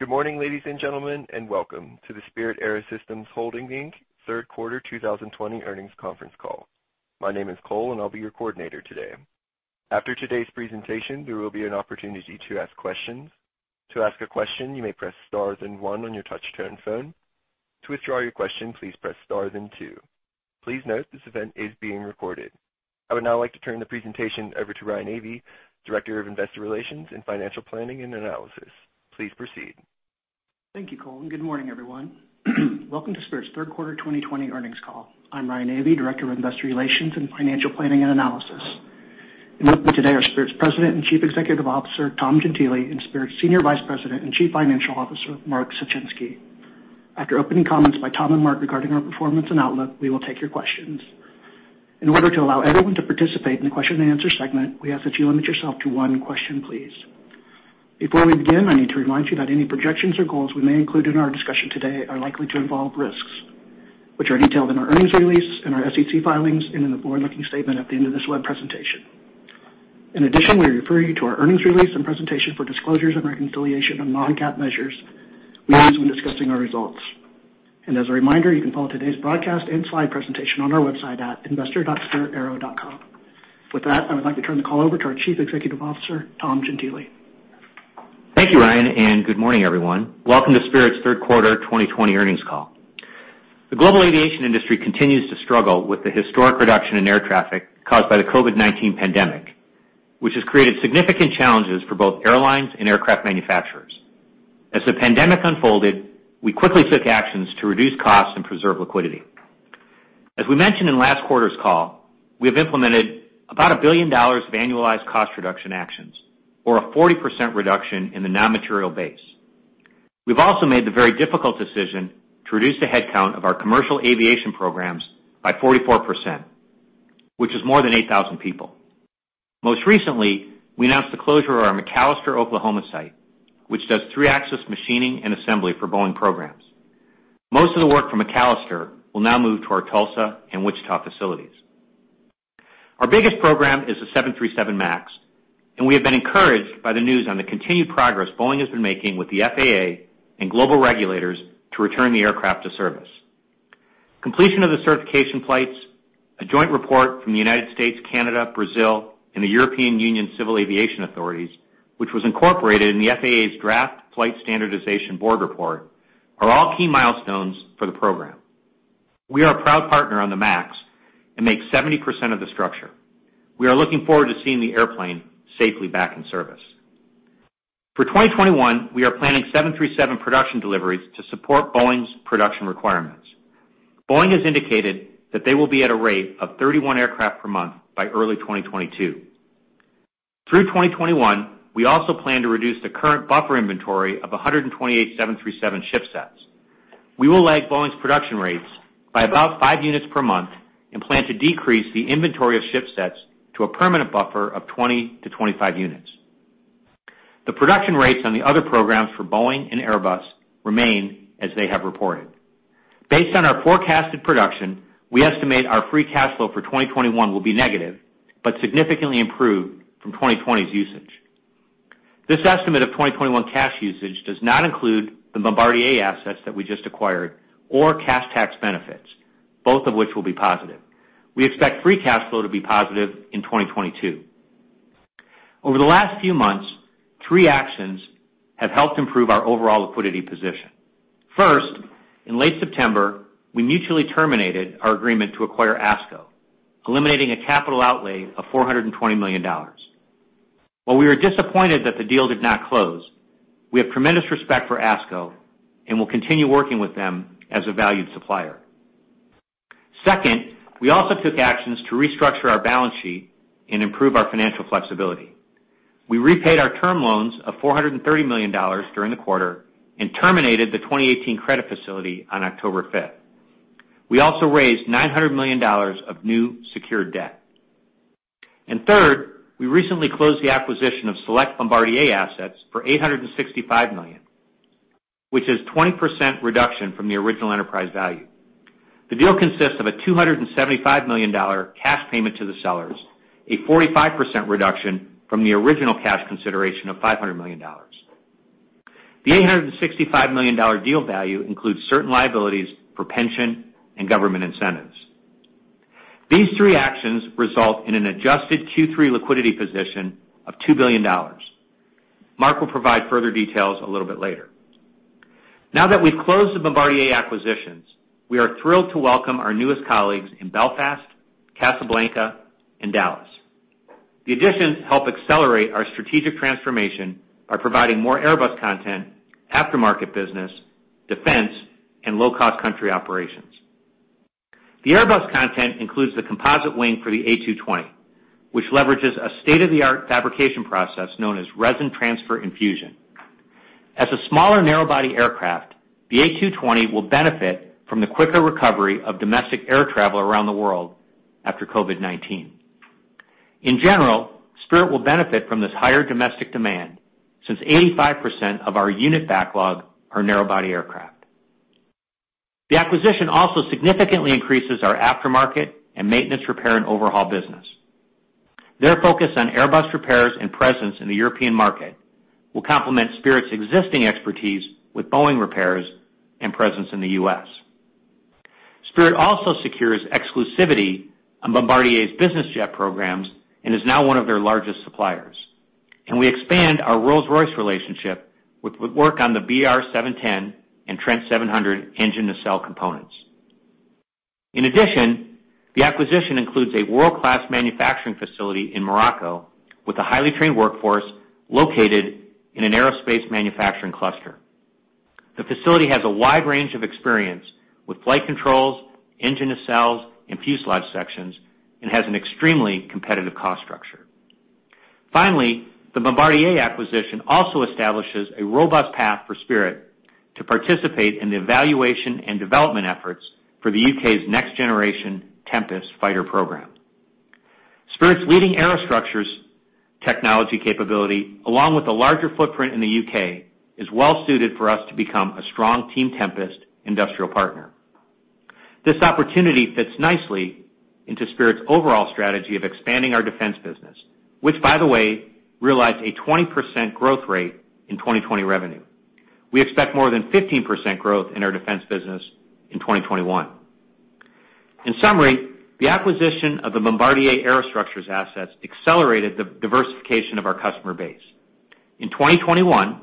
Good morning, ladies and gentlemen, and welcome to the Spirit AeroSystems Holdings, Inc. third quarter 2020 earnings conference call. My name is Cole, and I'll be your coordinator today. After today's presentation, there will be an opportunity to ask questions. To ask a question, you may press Star and One on your touch-tone phone. To withdraw your question, please press Star and Two. Please note this event is being recorded. I would now like to turn the presentation over to Ryan Avey, Director of Investor Relations and Financial Planning and Analysis. Please proceed. Thank you, Cole, and good morning, everyone. Welcome to Spirit's third quarter 2020 earnings call. I'm Ryan Avey, Director of Investor Relations and Financial Planning and Analysis. With me today are Spirit's President and Chief Executive Officer, Tom Gentile, and Spirit's Senior Vice President and Chief Financial Officer, Mark Suchinski. After opening comments by Tom and Mark regarding our performance and outlook, we will take your questions. In order to allow everyone to participate in the question and answer segment, we ask that you limit yourself to one question, please. Before we begin, I need to remind you that any projections or goals we may include in our discussion today are likely to involve risks, which are detailed in our earnings release and our SEC filings and in the forward-looking statement at the end of this web presentation. In addition, we refer you to our earnings release and presentation for disclosures and reconciliation of non-GAAP measures we use when discussing our results. As a reminder, you can follow today's broadcast and slide presentation on our website at investor.spiritaero.com. With that, I would like to turn the call over to our Chief Executive Officer, Tom Gentile. Thank you, Ryan, and good morning, everyone. Welcome to Spirit's third quarter 2020 earnings call. The global aviation industry continues to struggle with the historic reduction in air traffic caused by the COVID-19 pandemic, which has created significant challenges for both airlines and aircraft manufacturers. As the pandemic unfolded, we quickly took actions to reduce costs and preserve liquidity. As we mentioned in last quarter's call, we have implemented about $1 billion of annualized cost reduction actions, or a 40% reduction in the non-material base. We've also made the very difficult decision to reduce the headcount of our commercial aviation programs by 44%, which is more than 8,000 people. Most recently, we announced the closure of our McAlester, Oklahoma, site, which does three-axis machining and assembly for Boeing programs. Most of the work from McAlester will now move to our Tulsa and Wichita facilities. Our biggest program is the 737 MAX, and we have been encouraged by the news on the continued progress Boeing has been making with the FAA and global regulators to return the aircraft to service. Completion of the certification flights, a joint report from the United States, Canada, Brazil, and the European Union Civil Aviation Authorities, which was incorporated in the FAA's Draft Flight Standardization Board report, are all key milestones for the program. We are a proud partner on the MAX and make 70% of the structure. We are looking forward to seeing the airplane safely back in service. For 2021, we are planning 737 production deliveries to support Boeing's production requirements. Boeing has indicated that they will be at a rate of 31 aircraft per month by early 2022. Through 2021, we also plan to reduce the current buffer inventory of 128 737 shipsets. We will lag Boeing's production rates by about 5 units per month and plan to decrease the inventory of shipsets to a permanent buffer of 20-25 units. The production rates on the other programs for Boeing and Airbus remain as they have reported. Based on our forecasted production, we estimate our free cash flow for 2021 will be negative, but significantly improved from 2020's usage. This estimate of 2021 cash usage does not include the Bombardier assets that we just acquired or cash tax benefits, both of which will be positive. We expect free cash flow to be positive in 2022. Over the last few months, three actions have helped improve our overall liquidity position. First, in late September, we mutually terminated our agreement to acquire Asco, eliminating a capital outlay of $420 million. While we are disappointed that the deal did not close, we have tremendous respect for Asco and will continue working with them as a valued supplier. Second, we also took actions to restructure our balance sheet and improve our financial flexibility. We repaid our term loans of $430 million during the quarter and terminated the 2018 credit facility on October 5. We also raised $900 million of new secured debt. Third, we recently closed the acquisition of select Bombardier assets for $865 million, which is 20% reduction from the original enterprise value. The deal consists of a $275 million cash payment to the sellers, a 45% reduction from the original cash consideration of $500 million. The $865 million deal value includes certain liabilities for pension and government incentives. These three actions result in an adjusted Q3 liquidity position of $2 billion. Mark will provide further details a little bit later. Now that we've closed the Bombardier acquisitions, we are thrilled to welcome our newest colleagues in Belfast, Casablanca, and Dallas. The additions help accelerate our strategic transformation by providing more Airbus content, aftermarket business, defense, and low-cost country operations. The Airbus content includes the composite wing for the A220, which leverages a state-of-the-art fabrication process known as Resin Transfer Infusion. As a smaller narrow-body aircraft, the A220 will benefit from the quicker recovery of domestic air travel around the world after COVID-19. In general, Spirit will benefit from this higher domestic demand since 85% of our unit backlog are narrow-body aircraft. The acquisition also significantly increases our aftermarket and maintenance, repair, and overhaul business. Their focus on Airbus repairs and presence in the European market will complement Spirit's existing expertise with Boeing repairs and presence in the U.S. Spirit also secures exclusivity on Bombardier's business jet programs and is now one of their largest suppliers. We expand our Rolls-Royce relationship with work on the BR710 and Trent 700 engine to sell components. In addition, the acquisition includes a world-class manufacturing facility in Morocco, with a highly trained workforce located in an aerospace manufacturing cluster. The facility has a wide range of experience with flight controls, engine nacelles, and fuselage sections, and has an extremely competitive cost structure. Finally, the Bombardier acquisition also establishes a robust path for Spirit to participate in the evaluation and development efforts for the U.K.'s next generation Tempest fighter program. Spirit's leading aerostructures technology capability, along with a larger footprint in the U.K., is well suited for us to become a strong Team Tempest industrial partner. This opportunity fits nicely into Spirit's overall strategy of expanding our defense business, which, by the way, realized a 20% growth rate in 2020 revenue. We expect more than 15% growth in our defense business in 2021. In summary, the acquisition of the Bombardier aerostructures assets accelerated the diversification of our customer base. In 2021,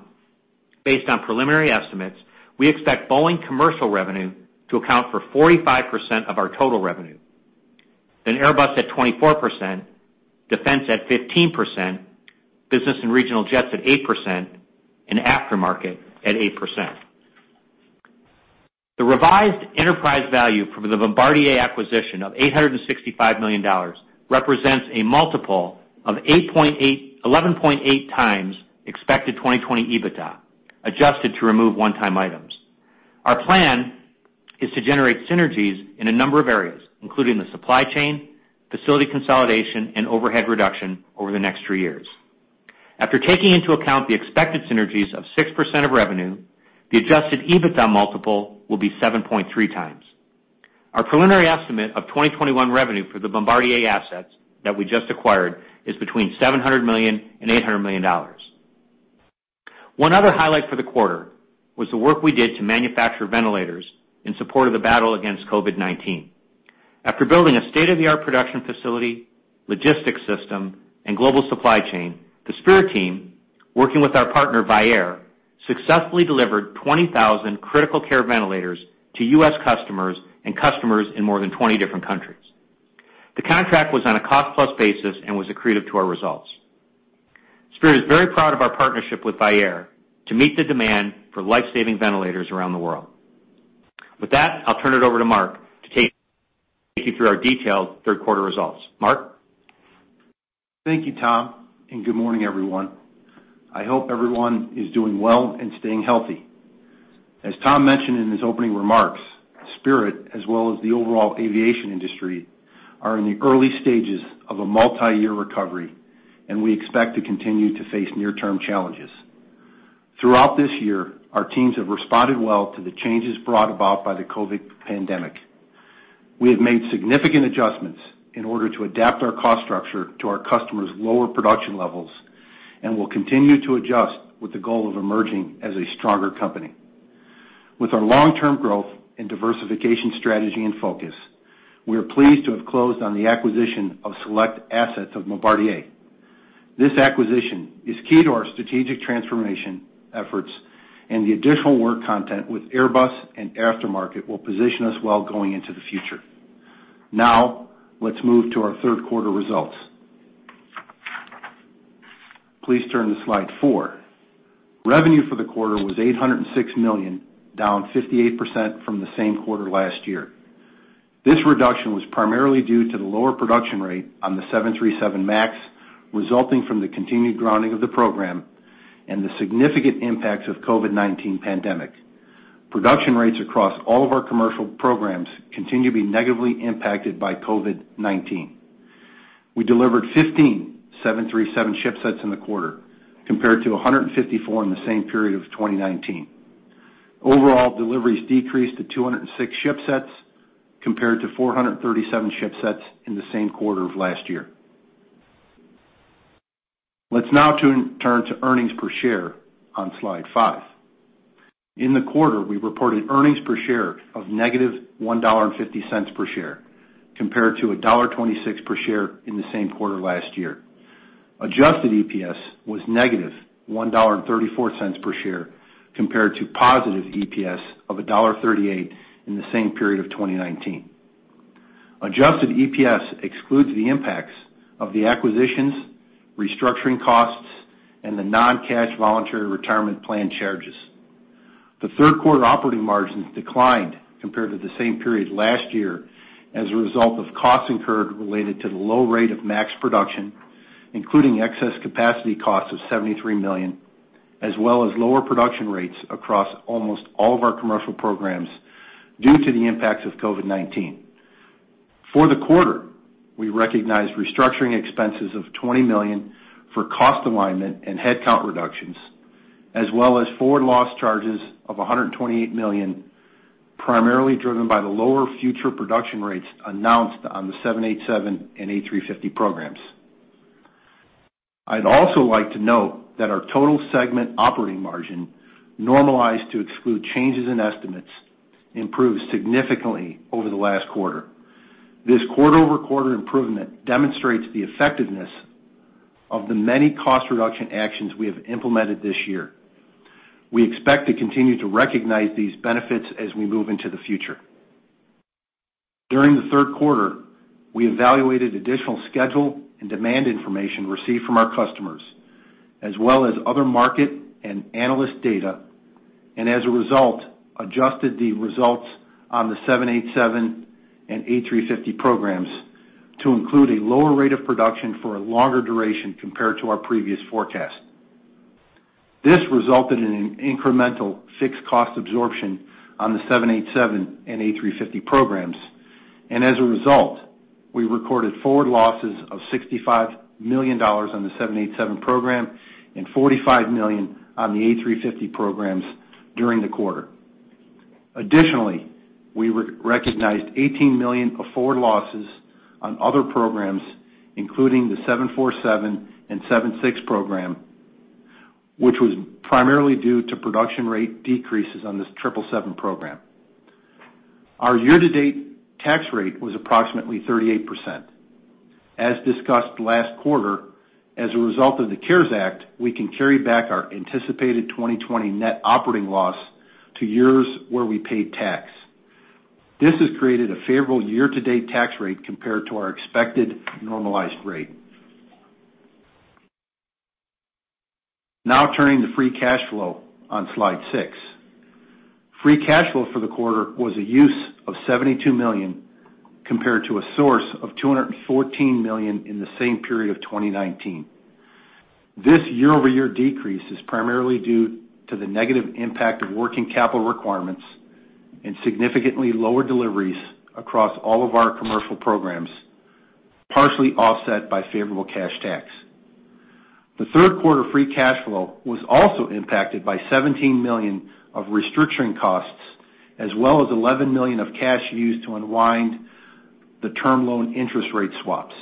based on preliminary estimates, we expect Boeing commercial revenue to account for 45% of our total revenue, then Airbus at 24%, defense at 15%, business and regional jets at 8%, and aftermarket at 8%. The revised enterprise value for the Bombardier acquisition of $865 million represents a multiple of 8.8x-11.8x expected 2020 EBITDA, adjusted to remove one-time items. Our plan is to generate synergies in a number of areas, including the supply chain, facility consolidation, and overhead reduction over the next three years. After taking into account the expected synergies of 6% of revenue, the Adjusted EBITDA multiple will be 7.3x. Our preliminary estimate of 2021 revenue for the Bombardier assets that we just acquired is between $700 million and $800 million. One other highlight for the quarter was the work we did to manufacture ventilators in support of the battle against COVID-19. After building a state-of-the-art production facility, logistics system, and global supply chain, the Spirit team, working with our partner, Vyaire, successfully delivered 20,000 critical care ventilators to U.S. customers and customers in more than 20 different countries. The contract was on a cost-plus basis and was accretive to our results. Spirit is very proud of our partnership with Vyaire to meet the demand for life-saving ventilators around the world. With that, I'll turn it over to Mark to take you through our detailed third quarter results. Mark? Thank you, Tom, and good morning, everyone. I hope everyone is doing well and staying healthy. As Tom mentioned in his opening remarks, Spirit, as well as the overall aviation industry, are in the early stages of a multi-year recovery, and we expect to continue to face near-term challenges. Throughout this year, our teams have responded well to the changes brought about by the COVID pandemic. We have made significant adjustments in order to adapt our cost structure to our customers' lower production levels and will continue to adjust with the goal of emerging as a stronger company. With our long-term growth and diversification strategy and focus, we are pleased to have closed on the acquisition of select assets of Bombardier. This acquisition is key to our strategic transformation efforts, and the additional work content with Airbus and aftermarket will position us well going into the future. Now, let's move to our third quarter results. Please turn to slide four. Revenue for the quarter was $806 million, down 58% from the same quarter last year. This reduction was primarily due to the lower production rate on the 737 MAX, resulting from the continued grounding of the program and the significant impacts of COVID-19 pandemic. Production rates across all of our commercial programs continue to be negatively impacted by COVID-19. We delivered 15 737 shipsets in the quarter, compared to 154 in the same period of 2019. Overall, deliveries decreased to 206 shipsets, compared to 437 shipsets in the same quarter of last year. Let's now turn to earnings per share on slide five. In the quarter, we reported earnings per share of -$1.50 per share, compared to $1.26 per share in the same quarter last year. Adjusted EPS was -$1.34 per share, compared to positive EPS of $1.38 in the same period of 2019. Adjusted EPS excludes the impacts of the acquisitions, restructuring costs, and the non-cash voluntary retirement plan charges. The third quarter operating margins declined compared to the same period last year as a result of costs incurred related to the low rate of MAX production, including excess capacity costs of $73 million, as well as lower production rates across almost all of our commercial programs due to the impacts of COVID-19. For the quarter, we recognized restructuring expenses of $20 million for cost alignment and headcount reductions, as well as forward loss charges of $128 million, primarily driven by the lower future production rates announced on the 787 and A350 programs. I'd also like to note that our total segment operating margin, normalized to exclude changes in estimates, improved significantly over the last quarter. This quarter-over-quarter improvement demonstrates the effectiveness of the many cost reduction actions we have implemented this year. We expect to continue to recognize these benefits as we move into the future. During the third quarter, we evaluated additional schedule and demand information received from our customers, as well as other market and analyst data, and as a result, adjusted the results on the 787 and A350 programs to include a lower rate of production for a longer duration compared to our previous forecast. This resulted in an incremental fixed cost absorption on the 787 and A350 programs, and as a result, we recorded forward losses of $65 million on the 787 program and $45 million on the A350 programs during the quarter. Additionally, we re-recognized $18 million of forward losses on other programs, including the 747 and 767 program, which was primarily due to production rate decreases on this 777 program. Our year-to-date tax rate was approximately 38%. As discussed last quarter, as a result of the CARES Act, we can carry back our anticipated 2020 net operating loss to years where we paid tax. This has created a favorable year-to-date tax rate compared to our expected normalized rate. Now, turning to free cash flow on Slide six. Free cash flow for the quarter was a use of $72 million, compared to a source of $214 million in the same period of 2019. This year-over-year decrease is primarily due to the negative impact of working capital requirements and significantly lower deliveries across all of our commercial programs, partially offset by favorable cash tax. The third quarter free cash flow was also impacted by $17 million of restructuring costs, as well as $11 million of cash used to unwind the term loan interest rate swaps.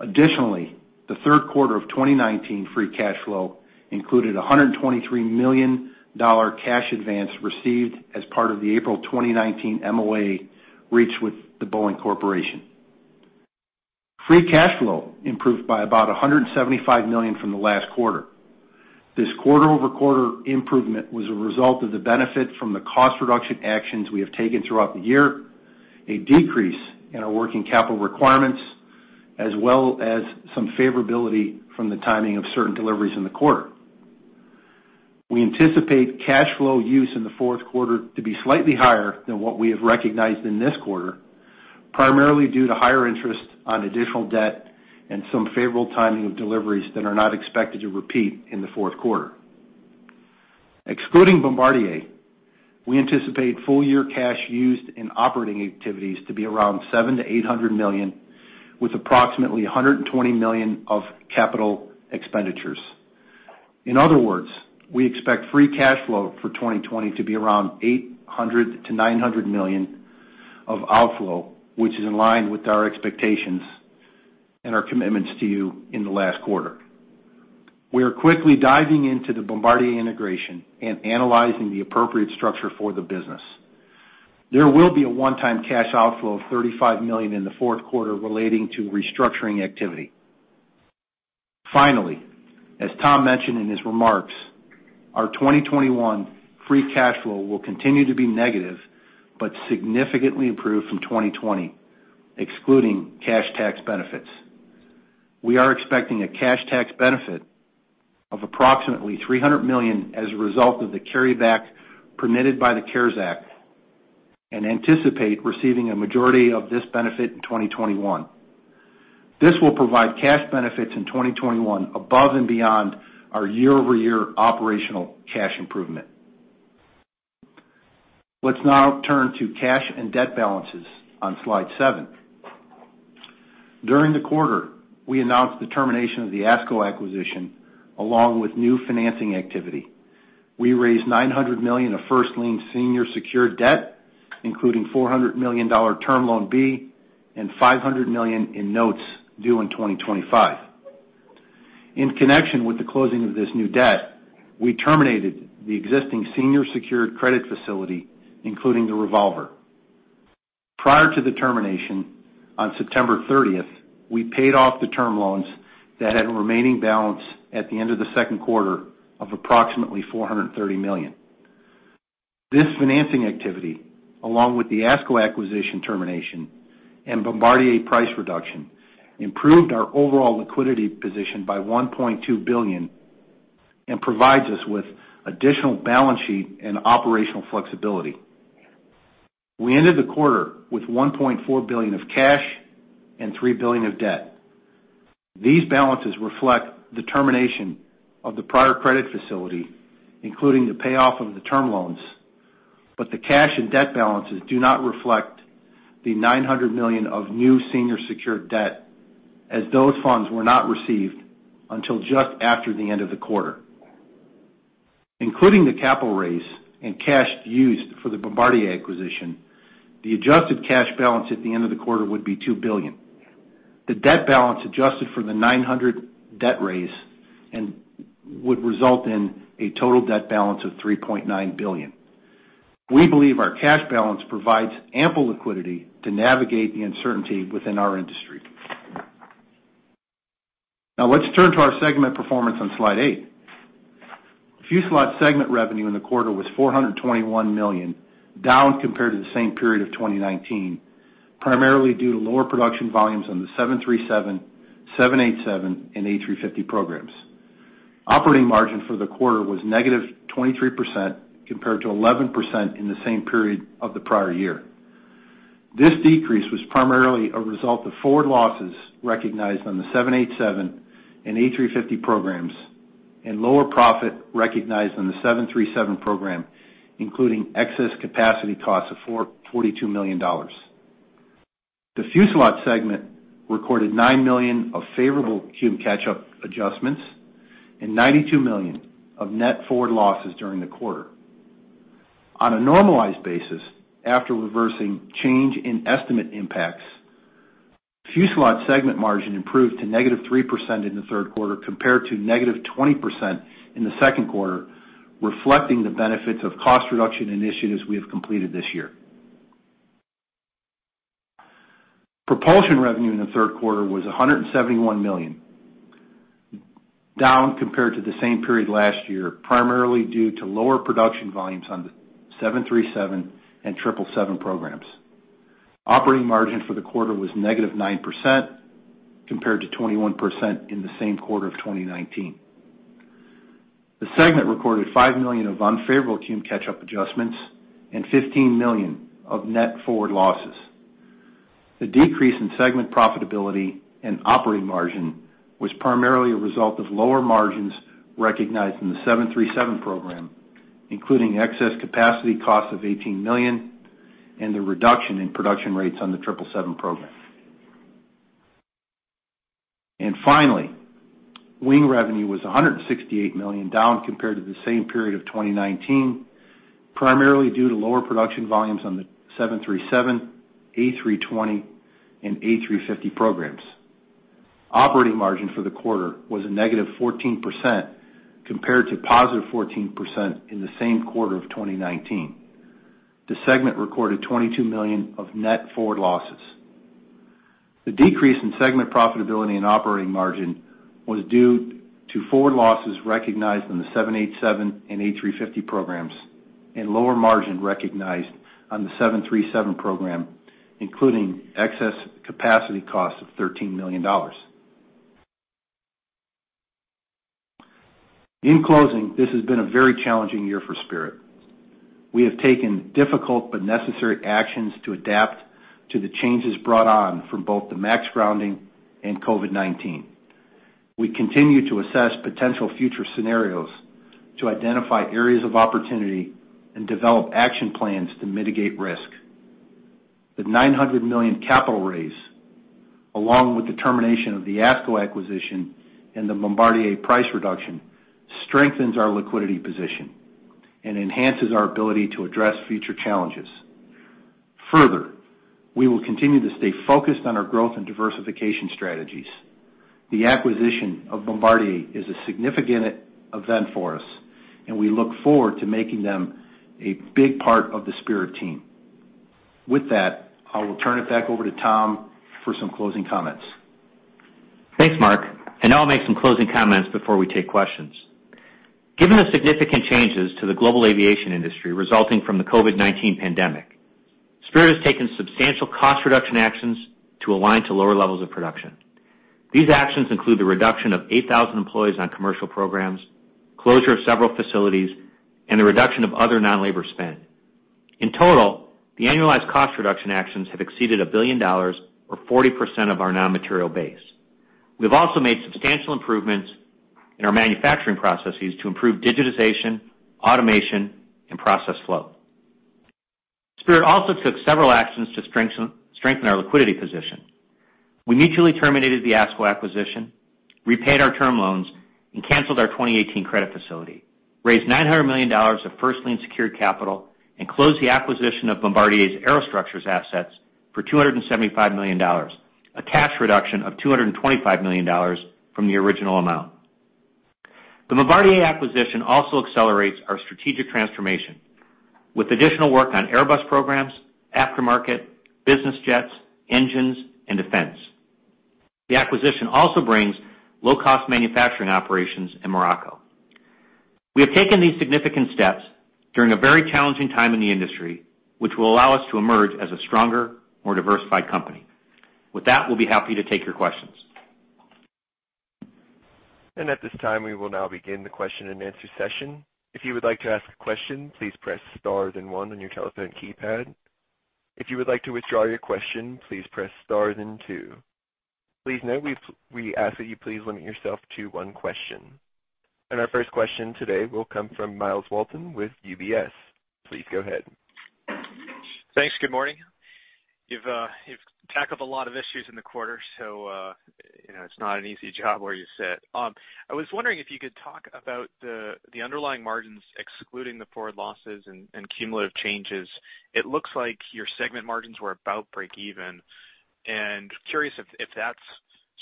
Additionally, the third quarter of 2019 free cash flow included a $123 million cash advance received as part of the April 2019 MOA reached with the Boeing Corporation. Free cash flow improved by about $175 million from the last quarter. This quarter-over-quarter improvement was a result of the benefit from the cost reduction actions we have taken throughout the year, a decrease in our working capital requirements, as well as some favorability from the timing of certain deliveries in the quarter. We anticipate cash flow use in the fourth quarter to be slightly higher than what we have recognized in this quarter, primarily due to higher interest on additional debt and some favorable timing of deliveries that are not expected to repeat in the fourth quarter. Excluding Bombardier, we anticipate full-year cash used in operating activities to be around $700-$800 million, with approximately $120 million of capital expenditures. In other words, we expect free cash flow for 2020 to be around $800-$900 million of outflow, which is in line with our expectations and our commitments to you in the last quarter. We are quickly diving into the Bombardier integration and analyzing the appropriate structure for the business. There will be a one-time cash outflow of $35 million in the fourth quarter relating to restructuring activity. Finally, as Tom mentioned in his remarks, our 2021 free cash flow will continue to be negative, but significantly improved from 2020, excluding cash tax benefits. We are expecting a cash tax benefit of approximately $300 million as a result of the carryback permitted by the CARES Act, and anticipate receiving a majority of this benefit in 2021. This will provide cash benefits in 2021 above and beyond our year-over-year operational cash improvement. Let's now turn to cash and debt balances on Slide seven. During the quarter, we announced the termination of the Asco acquisition, along with new financing activity. We raised $900 million of first lien senior secured debt, including $400 million Term Loan B and $500 million in notes due in 2025. In connection with the closing of this new debt, we terminated the existing senior secured credit facility, including the revolver. Prior to the termination, on September thirtieth, we paid off the term loans that had a remaining balance at the end of the second quarter of approximately $430 million. This financing activity, along with the Asco acquisition termination and Bombardier price reduction, improved our overall liquidity position by $1.2 billion and provides us with additional balance sheet and operational flexibility. We ended the quarter with $1.4 billion of cash and $3 billion of debt. These balances reflect the termination of the prior credit facility, including the payoff of the term loans, but the cash and debt balances do not reflect the $900 million of new senior secured debt, as those funds were not received until just after the end of the quarter. Including the capital raise and cash used for the Bombardier acquisition, the adjusted cash balance at the end of the quarter would be $2 billion. The debt balance adjusted for the $900 million debt raise and would result in a total debt balance of $3.9 billion. We believe our cash balance provides ample liquidity to navigate the uncertainty within our industry. Now let's turn to our segment performance on Slide eight. Fuselage segment revenue in the quarter was $421 million, down compared to the same period of 2019, primarily due to lower production volumes on the 737, 787, and A350 programs. Operating margin for the quarter was -23%, compared to 11% in the same period of the prior year. This decrease was primarily a result of forward losses recognized on the 787 and A350 programs, and lower profit recognized on the 737 program, including excess capacity costs of $42 million. The fuselage segment recorded $9 million of favorable Q catch-up adjustments and $92 million of net forward losses during the quarter. On a normalized basis, after reversing change in estimate impacts, fuselage segment margin improved to -3% in the third quarter, compared to -20% in the second quarter, reflecting the benefits of cost reduction initiatives we have completed this year. Propulsion revenue in the third quarter was $171 million, down compared to the same period last year, primarily due to lower production volumes on the 737 and 777 programs. Operating margin for the quarter was negative 9%, compared to 21% in the same quarter of 2019. The segment recorded $5 million of unfavorable team catch-up adjustments and $15 million of net forward losses. The decrease in segment profitability and operating margin was primarily a result of lower margins recognized in the 737 program, including excess capacity costs of $18 million and the reduction in production rates on the 777 program. And finally, wing revenue was $168 million, down compared to the same period of 2019, primarily due to lower production volumes on the 737, A320, and A350 programs. Operating margin for the quarter was a negative 14%, compared to positive 14% in the same quarter of 2019. The segment recorded $22 million of net forward losses. The decrease in segment profitability and operating margin was due to forward losses recognized in the 787 and A350 programs, and lower margin recognized on the 737 program, including excess capacity costs of $13 million. In closing, this has been a very challenging year for Spirit. We have taken difficult but necessary actions to adapt to the changes brought on from both the MAX grounding and COVID-19. We continue to assess potential future scenarios to identify areas of opportunity and develop action plans to mitigate risk. The $900 million capital raise, along with the termination of the Asco acquisition and the Bombardier price reduction, strengthens our liquidity position and enhances our ability to address future challenges. Further, we will continue to stay focused on our growth and diversification strategies. The acquisition of Bombardier is a significant event for us, and we look forward to making them a big part of the Spirit team. With that, I will turn it back over to Tom for some closing comments. Thanks, Mark. And now I'll make some closing comments before we take questions. Given the significant changes to the global aviation industry resulting from the COVID-19 pandemic, Spirit has taken substantial cost reduction actions to align to lower levels of production. These actions include the reduction of 8,000 employees on commercial programs, closure of several facilities, and the reduction of other non-labor spend. In total, the annualized cost reduction actions have exceeded $1 billion, or 40% of our non-material base. We've also made substantial improvements in our manufacturing processes to improve digitization, automation, and process flow. Spirit also took several actions to strengthen our liquidity position. We mutually terminated the Asco acquisition, repaid our term loans, and canceled our 2018 credit facility, raised $900 million of first lien secured capital, and closed the acquisition of Bombardier's aerostructures assets for $275 million, a cash reduction of $225 million from the original amount. The Bombardier acquisition also accelerates our strategic transformation, with additional work on Airbus programs, aftermarket, business jets, engines, and defense. The acquisition also brings low-cost manufacturing operations in Morocco. We have taken these significant steps during a very challenging time in the industry, which will allow us to emerge as a stronger, more diversified company. With that, we'll be happy to take your questions. ... And at this time, we will now begin the question-and-answer session. If you would like to ask a question, please press star then one on your telephone keypad. If you would like to withdraw your question, please press star then two. Please note, we ask that you please limit yourself to one question. And our first question today will come from Myles Walton with UBS. Please go ahead. Thanks. Good morning. You've, you've tackled a lot of issues in the quarter, so, you know, it's not an easy job where you sit. I was wondering if you could talk about the underlying margins, excluding the forward losses and cumulative changes. It looks like your segment margins were about breakeven. And curious if that's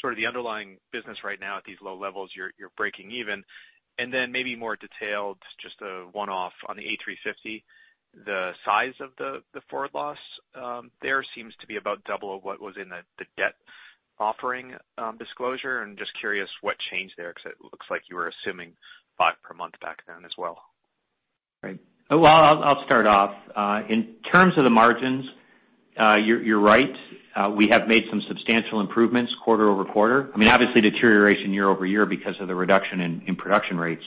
sort of the underlying business right now at these low levels, you're breaking even. And then maybe more detailed, just a one-off on the A350, the size of the forward loss, there seems to be about double of what was in the debt offering disclosure. And just curious what changed there, because it looks like you were assuming 5 per month back then as well. Right. Well, I'll, I'll start off. In terms of the margins, you're, you're right. We have made some substantial improvements quarter-over-quarter. I mean, obviously, deterioration year-over-year because of the reduction in, in production rates.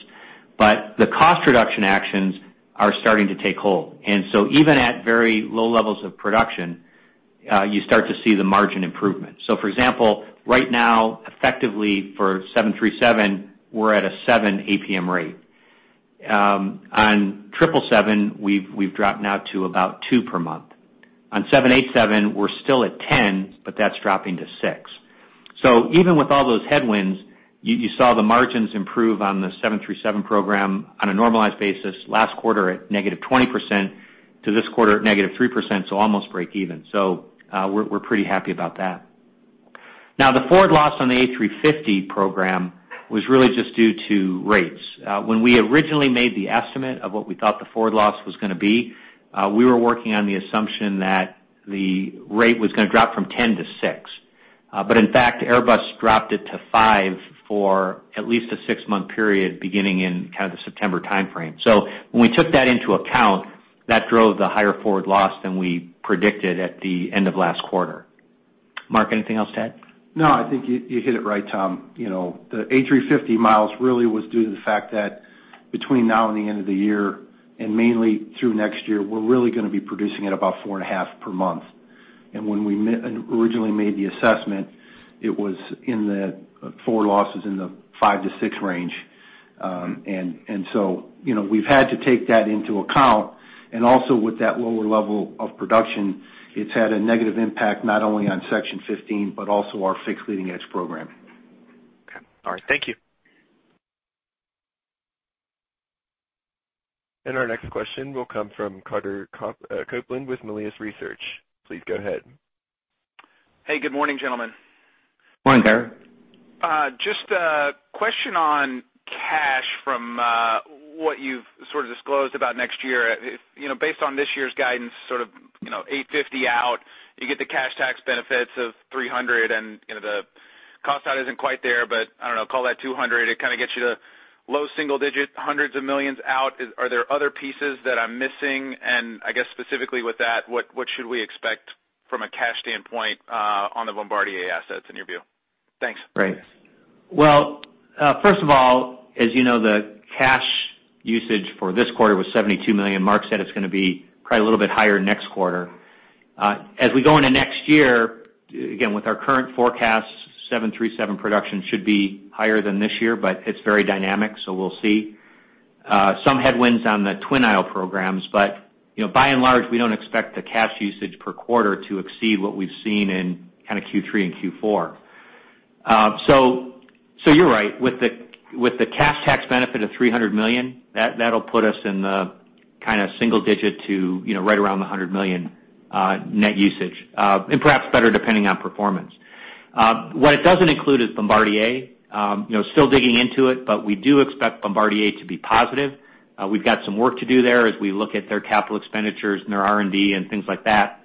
But the cost reduction actions are starting to take hold. And so even at very low levels of production, you start to see the margin improvement. So for example, right now, effectively for 737, we're at a 7 APM rate. On 777, we've, we've dropped now to about 2 per month. On 787, we're still at 10, but that's dropping to 6. So even with all those headwinds, you, you saw the margins improve on the 737 program on a normalized basis last quarter at -20% to this quarter at -3%, so almost break even. So, we're pretty happy about that. Now, the forward loss on the A350 program was really just due to rates. When we originally made the estimate of what we thought the forward loss was going to be, we were working on the assumption that the rate was going to drop from 10 to 6. But in fact, Airbus dropped it to 5 for at least a 6-month period, beginning in kind of the September timeframe. So when we took that into account, that drove the higher forward loss than we predicted at the end of last quarter. Mark, anything else to add? No, I think you hit it right, Tom. You know, the A350 miles really was due to the fact that between now and the end of the year, and mainly through next year, we're really going to be producing at about 4.5 per month. And when we originally made the assessment, it was in the forward losses in the 5-6 range. And so, you know, we've had to take that into account, and also with that lower level of production, it's had a negative impact, not only on Section 15, but also our fixed leading edge program. Okay. All right. Thank you. Our next question will come from Carter Copeland with Melius Research. Please go ahead. Hey, good morning, gentlemen. Morning, Carter. Just a question on cash from what you've sort of disclosed about next year. If you know, based on this year's guidance, sort of, you know, $850 million out, you get the cash tax benefits of $300 million, and, you know, the cost out isn't quite there, but I don't know, call that $200 million. It kind of gets you to low single-digit hundreds of millions out. Are there other pieces that I'm missing? And I guess specifically with that, what, what should we expect from a cash standpoint on the Bombardier assets, in your view? Thanks. Great. Well, first of all, as you know, the cash usage for this quarter was $72 million. Mark said it's going to be probably a little bit higher next quarter. As we go into next year, again, with our current forecast, 737 production should be higher than this year, but it's very dynamic, so we'll see. Some headwinds on the twin-aisle programs, but, you know, by and large, we don't expect the cash usage per quarter to exceed what we've seen in kind of Q3 and Q4. So, you're right, with the cash tax benefit of $300 million, that'll put us in the kind of single-digit to, you know, right around the $100 million, net usage, and perhaps better, depending on performance. What it doesn't include is Bombardier. You know, still digging into it, but we do expect Bombardier to be positive. We've got some work to do there as we look at their capital expenditures and their R&D and things like that,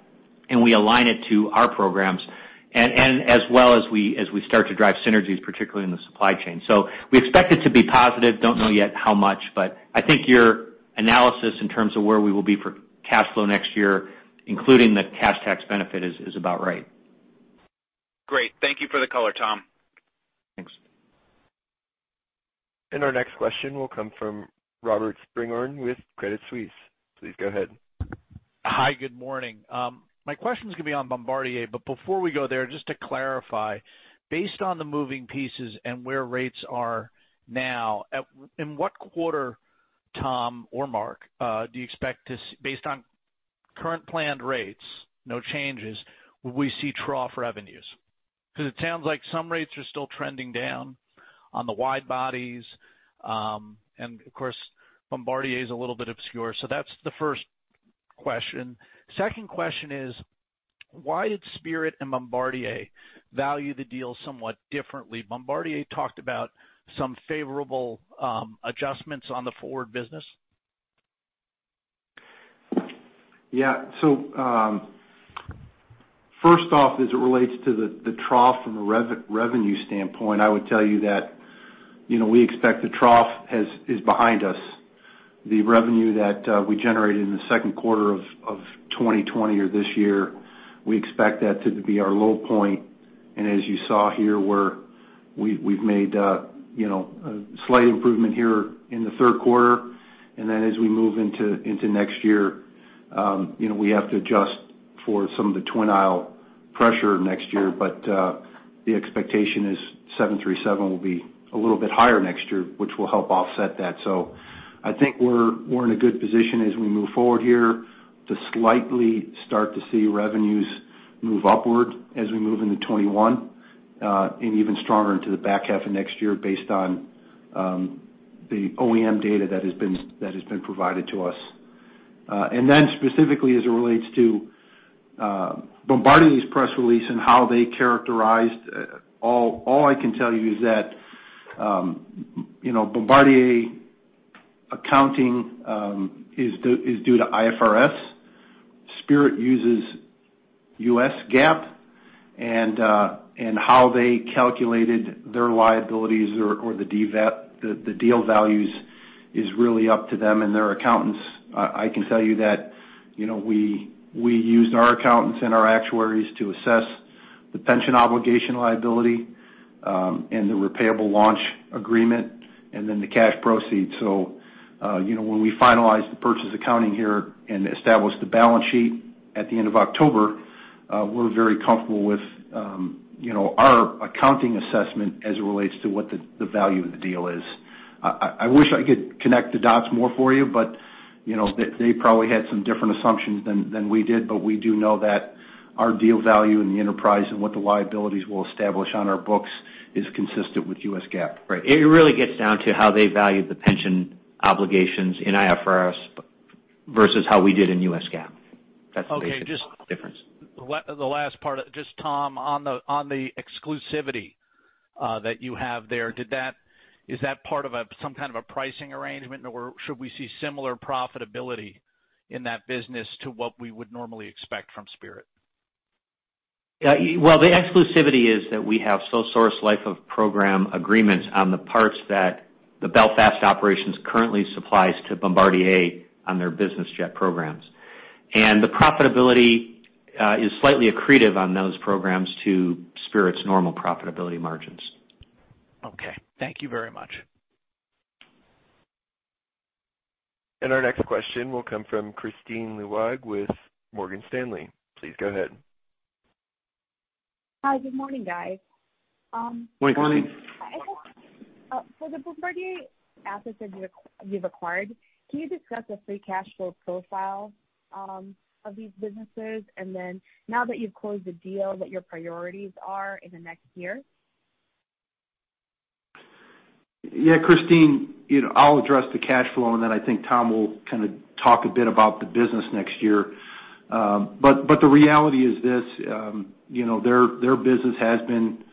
and we align it to our programs. And, and as well as we, as we start to drive synergies, particularly in the supply chain. So we expect it to be positive. Don't know yet how much, but I think your analysis in terms of where we will be for cash flow next year, including the cash tax benefit, is, is about right. Great. Thank you for the color, Tom. Thanks. Our next question will come from Robert Spingarn with Credit Suisse. Please go ahead. Hi, good morning. My question's going to be on Bombardier, but before we go there, just to clarify, based on the moving pieces and where rates are now, in what quarter, Tom or Mark, do you expect, based on current planned rates, no changes, will we see trough revenues? Because it sounds like some rates are still trending down on the wide bodies. And of course, Bombardier is a little bit obscure. So that's the first question. Second question is, why did Spirit and Bombardier value the deal somewhat differently? Bombardier talked about some favorable adjustments on the forward business. Yeah. So, first off, as it relates to the trough from a revenue standpoint, I would tell you that, you know, we expect the trough is behind us. The revenue that we generated in the second quarter of 2020, or this year, we expect that to be our low point. And as you saw here, we've made, you know, a slight improvement here in the third quarter. And then as we move into next year, you know, we have to adjust for some of the twin-aisle pressure next year. But the expectation is 737 will be a little bit higher next year, which will help offset that. So I think we're in a good position as we move forward here to slightly start to see revenues move upward as we move into 2021, and even stronger into the back half of next year based on the OEM data that has been provided to us. And then specifically, as it relates to Bombardier's press release and how they characterized, all I can tell you is that, you know, Bombardier accounting is due to IFRS. Spirit uses U.S. GAAP, and how they calculated their liabilities or the deal values is really up to them and their accountants. I can tell you that, you know, we used our accountants and our actuaries to assess the pension obligation liability, and the repayable launch agreement, and then the cash proceeds. So, you know, when we finalize the purchase accounting here and establish the balance sheet at the end of October, we're very comfortable with, you know, our accounting assessment as it relates to what the value of the deal is. I wish I could connect the dots more for you, but, you know, they probably had some different assumptions than we did, but we do know that our deal value in the enterprise and what the liabilities will establish on our books is consistent with US GAAP. Right. It really gets down to how they value the pension obligations in IFRS versus how we did in U.S. GAAP. That's the basic difference. Okay. Just the last part, just Tom, on the exclusivity that you have there, is that part of some kind of a pricing arrangement, or should we see similar profitability in that business to what we would normally expect from Spirit? Well, the exclusivity is that we have sole source life of program agreements on the parts that the Belfast operations currently supplies to Bombardier on their business jet programs. And the profitability is slightly accretive on those programs to Spirit's normal profitability margins. Okay, thank you very much. Our next question will come from Kristine Liwag with Morgan Stanley. Please go ahead. Hi, good morning, guys. Good morning. Hi, I have for the Bombardier assets that you've acquired, can you discuss the free cash flow profile of these businesses? And then now that you've closed the deal, what your priorities are in the next year? Yeah, Christine, you know, I'll address the cash flow, and then I think Tom will kind of talk a bit about the business next year. But the reality is this, you know, their business has been,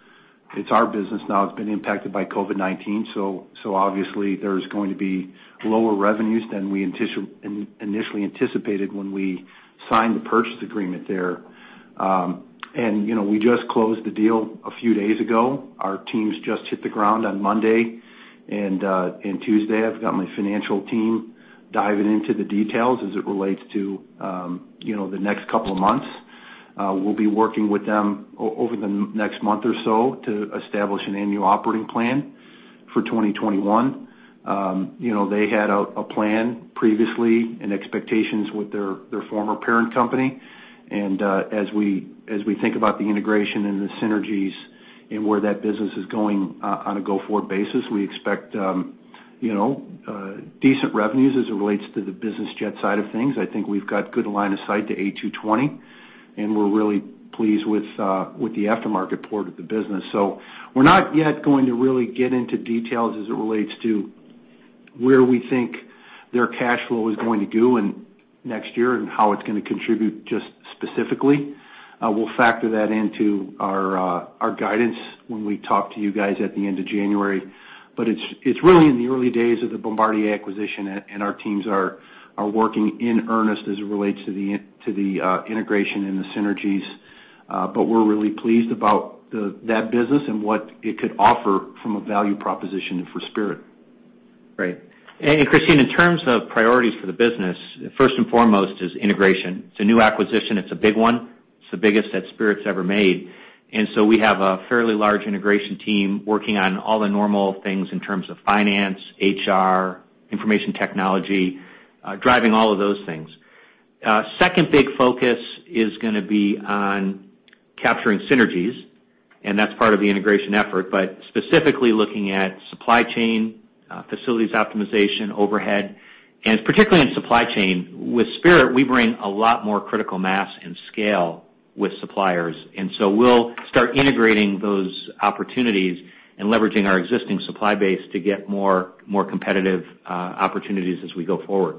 it's our business now, it's been impacted by COVID-19, so obviously there's going to be lower revenues than we initially anticipated when we signed the purchase agreement there. And, you know, we just closed the deal a few days ago. Our teams just hit the ground on Monday and Tuesday. I've got my financial team diving into the details as it relates to, you know, the next couple of months. We'll be working with them over the next month or so to establish an annual operating plan for 2021. You know, they had a plan previously and expectations with their former parent company. And, as we think about the integration and the synergies and where that business is going, on a go-forward basis, we expect, you know, decent revenues as it relates to the business jet side of things. I think we've got good line of sight to A220, and we're really pleased with the aftermarket port of the business. So we're not yet going to really get into details as it relates to where we think their cash flow is going to go in next year and how it's gonna contribute just specifically. We'll factor that into our guidance when we talk to you guys at the end of January. But it's really in the early days of the Bombardier acquisition, and our teams are working in earnest as it relates to the integration and the synergies. But we're really pleased about that business and what it could offer from a value proposition for Spirit. Great. And, Kristine, in terms of priorities for the business, first and foremost is integration. It's a new acquisition. It's a big one. It's the biggest that Spirit's ever made. And so we have a fairly large integration team working on all the normal things in terms of finance, HR, information technology, driving all of those things. Second big focus is gonna be on capturing synergies, and that's part of the integration effort, but specifically looking at supply chain, facilities optimization, overhead, and particularly in supply chain. With Spirit, we bring a lot more critical mass and scale with suppliers, and so we'll start integrating those opportunities and leveraging our existing supply base to get more, more competitive, opportunities as we go forward.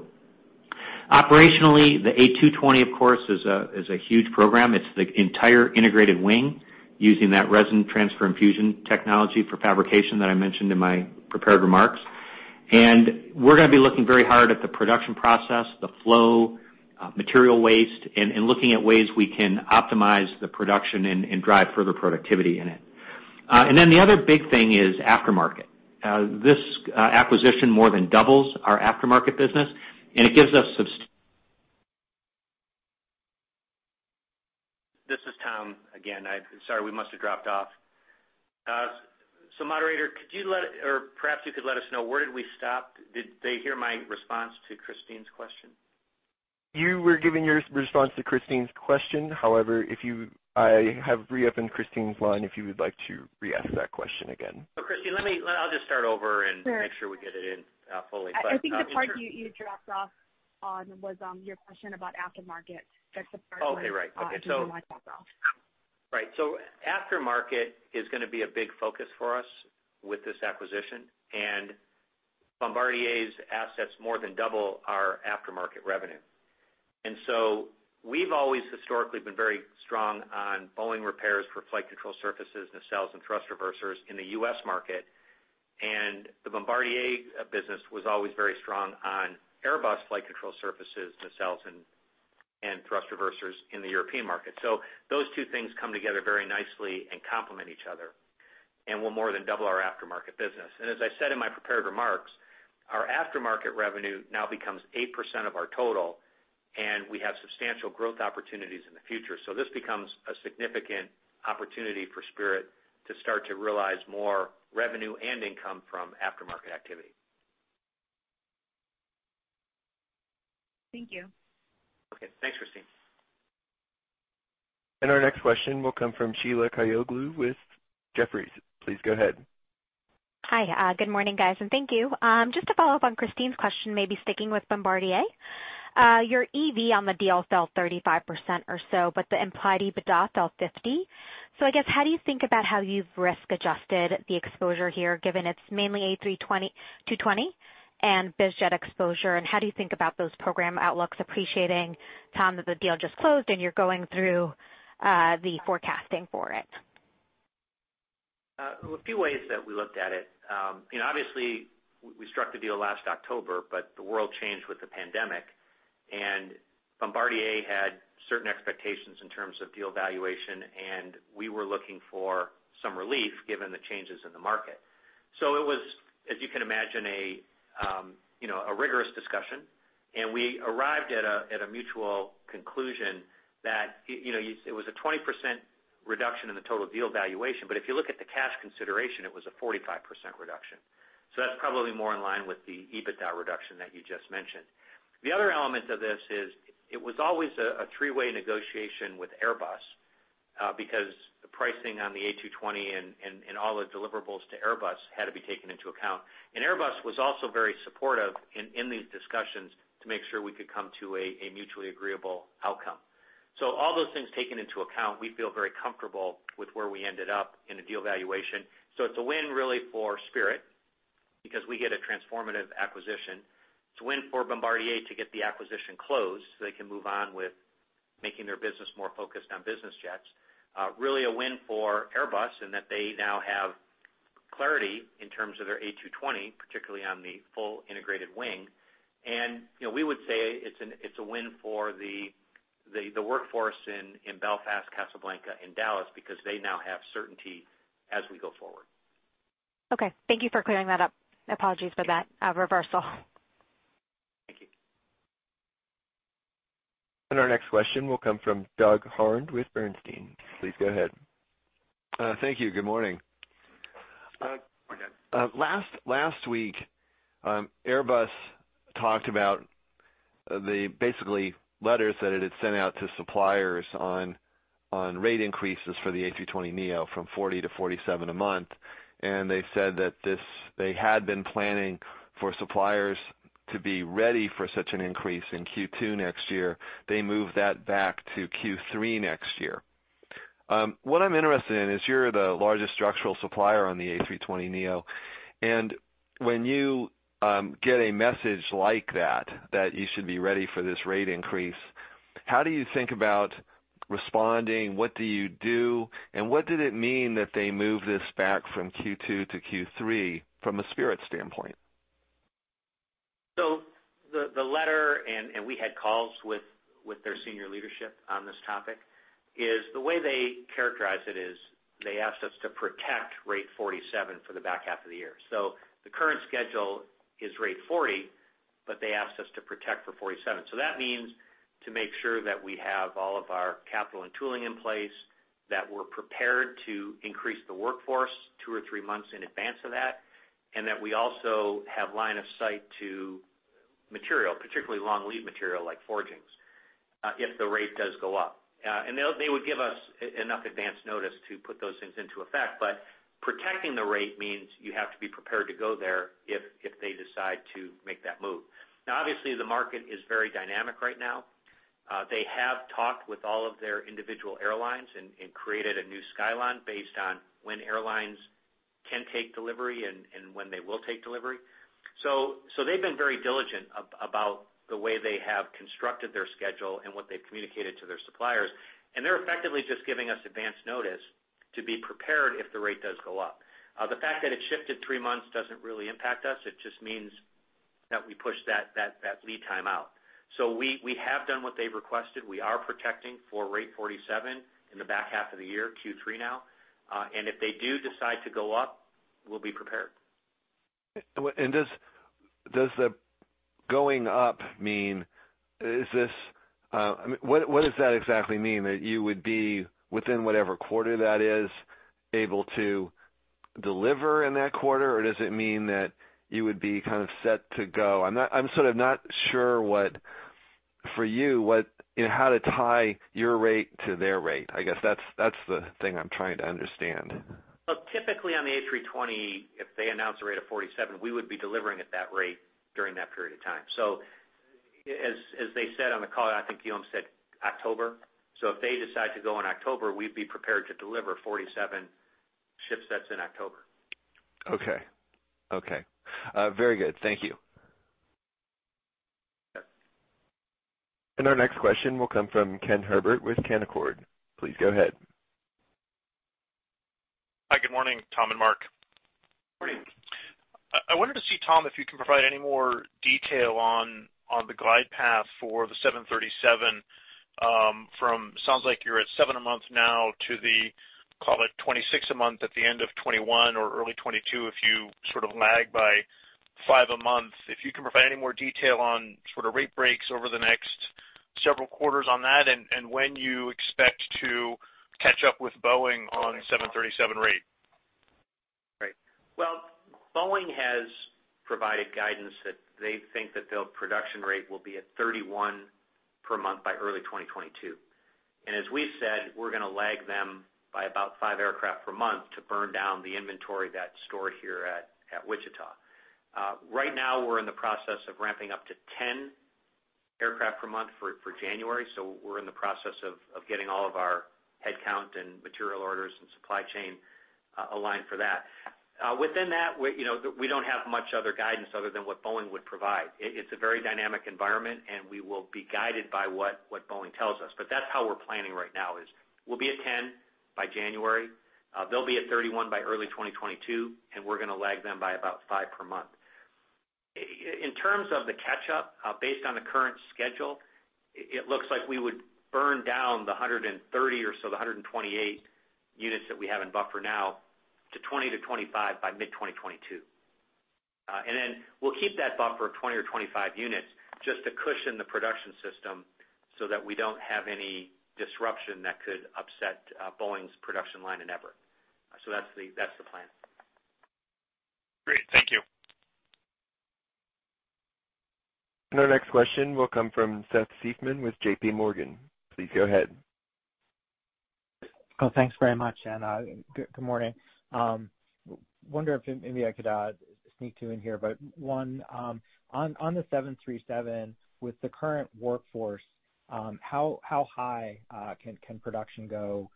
Operationally, the A220, of course, is a, is a huge program. It's the entire integrated wing using that Resin Transfer Infusion technology for fabrication that I mentioned in my prepared remarks. And we're gonna be looking very hard at the production process, the flow, material waste, and looking at ways we can optimize the production and drive further productivity in it. And then the other big thing is aftermarket. This acquisition more than doubles our aftermarket business, and it gives us sub- This is Tom again. I'm sorry, we must have dropped off. So moderator, could you let, or perhaps you could let us know, where did we stop? Did they hear my response to Kristine's question? You were giving your response to Kristine's question. However, I have re-opened Kristine's line, if you would like to re-ask that question again. So, Kristine, let me. I'll just start over and- Sure. Make sure we get it in fully. I think the part you, you dropped off on was, your question about aftermarket. That's the part where- Okay. Right. You might have dropped off. Right. So aftermarket is going to be a big focus for us with this acquisition, and Bombardier's assets more than double our aftermarket revenue. And so we've always historically been very strong on Boeing repairs for flight control surfaces, nacelles, and thrust reversers in the U.S. market. And the Bombardier business was always very strong on Airbus flight control surfaces, nacelles, and thrust reversers in the European market. So those two things come together very nicely and complement each other and will more than double our aftermarket business. And as I said in my prepared remarks, our aftermarket revenue now becomes 8% of our total, and we have substantial growth opportunities in the future. So this becomes a significant opportunity for Spirit to start to realize more revenue and income from aftermarket activity. Thank you. Okay. Thanks, Kristine. Our next question will come from Sheila Kahyaoglu with Jefferies. Please go ahead. Hi, good morning, guys, and thank you. Just to follow up on Kristine's question, maybe sticking with Bombardier. Your EV on the deal fell 35% or so, but the implied EBITDA fell 50%. So I guess, how do you think about how you've risk-adjusted the exposure here, given it's mainly A320 and A220 and biz jet exposure, and how do you think about those program outlooks, appreciating, Tom, that the deal just closed and you're going through the forecasting for it? A few ways that we looked at it. And obviously, we struck the deal last October, but the world changed with the pandemic, and Bombardier had certain expectations in terms of deal valuation, and we were looking for some relief given the changes in the market. So it was, as you can imagine, you know, a rigorous discussion, and we arrived at a mutual conclusion that you know it was a 20% reduction in the total deal valuation, but if you look at the cash consideration, it was a 45% reduction. So that's probably more in line with the EBITDA reduction that you just mentioned. The other element of this is, it was always a three-way negotiation with Airbus because the pricing on the A220 and all the deliverables to Airbus had to be taken into account. Airbus was also very supportive in these discussions to make sure we could come to a mutually agreeable outcome. All those things taken into account, we feel very comfortable with where we ended up in a deal valuation. It's a win really for Spirit, because we get a transformative acquisition. It's a win for Bombardier to get the acquisition closed, so they can move on with making their business more focused on business jets. Really a win for Airbus, and that they now have clarity in terms of their A220, particularly on the full integrated wing. You know, we would say it's a win for the workforce in Belfast, Casablanca, and Dallas because they now have certainty as we go forward. Okay, thank you for clearing that up. Apologies for that, reversal. Thank you. Our next question will come from Doug Harned with Bernstein. Please go ahead. Thank you. Good morning. Good morning. Last, last week, Airbus talked about the, basically, letters that it had sent out to suppliers on rate increases for the A320neo from 40-47 a month, and they said that this, they had been planning for suppliers to be ready for such an increase in Q2 next year. They moved that back to Q3 next year. What I'm interested in is, you're the largest structural supplier on the A320neo, and when you get a message like that, that you should be ready for this rate increase, how do you think about responding? What do you do, and what did it mean that they moved this back from Q2 to Q3 from a Spirit standpoint? So the letter, and we had calls with their senior leadership on this topic, is the way they characterize it is, they asked us to protect rate 47 for the back half of the year. So the current schedule is rate 40, but they asked us to protect for 47. So that means to make sure that we have all of our capital and tooling in place, that we're prepared to increase the workforce 2 or 3 months in advance of that, and that we also have line of sight to material, particularly long lead material like forgings, if the rate does go up. And they would give us enough advance notice to put those things into effect, but protecting the rate means you have to be prepared to go there if they decide to make that move. Now, obviously, the market is very dynamic right now. They have talked with all of their individual airlines and created a new skyline based on when airlines can take delivery and when they will take delivery. So they've been very diligent about the way they have constructed their schedule and what they've communicated to their suppliers, and they're effectively just giving us advance notice to be prepared if the rate does go up. The fact that it shifted three months doesn't really impact us. It just means that we push that lead time out. So we have done what they've requested. We are protecting for rate 47 in the back half of the year, Q3 now. And if they do decide to go up, we'll be prepared. And does, does the going up mean, is this, I mean, what, what does that exactly mean that you would be within whatever quarter that is able to deliver in that quarter? Or does it mean that you would be kind of set to go? I'm not- I'm sort of not sure what, for you, what, you know, how to tie your rate to their rate. I guess that's, that's the thing I'm trying to understand. Well, typically, on the A320, if they announce a rate of 47, we would be delivering at that rate during that period of time. So as, as they said on the call, I think Guillaume said October. So if they decide to go in October, we'd be prepared to deliver 47 ship sets in October. Okay. Okay, very good. Thank you. Yes. Our next question will come from Ken Herbert with Canaccord. Please go ahead. Hi, good morning, Tom and Mark. Morning. I wanted to see, Tom, if you can provide any more detail on the glide path for the 737, from sounds like you're at 7 a month now to the, call it, 26 a month at the end of 2021 or early 2022, if you sort of lag by 5 a month. If you can provide any more detail on sort of rate breaks over the next several quarters on that, and when you expect to catch up with Boeing on 737 rate. Right. Well, Boeing has provided guidance that they think that their production rate will be at 31 per month by early 2022. As we said, we're gonna lag them by about 5 aircraft per month to burn down the inventory that's stored here at Wichita. Right now, we're in the process of ramping up to 10 aircraft per month for January, so we're in the process of getting all of our headcount and material orders and supply chain aligned for that. Within that, you know, we don't have much other guidance other than what Boeing would provide. It's a very dynamic environment, and we will be guided by what Boeing tells us. But that's how we're planning right now, is we'll be at 10 by January. They'll be at 31 by early 2022, and we're gonna lag them by about 5 per month. In terms of the catch up, based on the current schedule, it looks like we would burn down the 130 or so, the 128 units that we have in buffer now, to 20 to 25 by mid 2022. And then we'll keep that buffer of 20 or 25 units just to cushion the production system so that we don't have any disruption that could upset Boeing's production line and effort. So that's the plan. Great. Thank you. And our next question will come from Seth Seifman with J.P. Morgan. Please go ahead. Oh, thanks very much, and, good, good morning. Wonder if maybe I could sneak two in here, but one, on, on the 737, with the current workforce, how, how high can, can production go,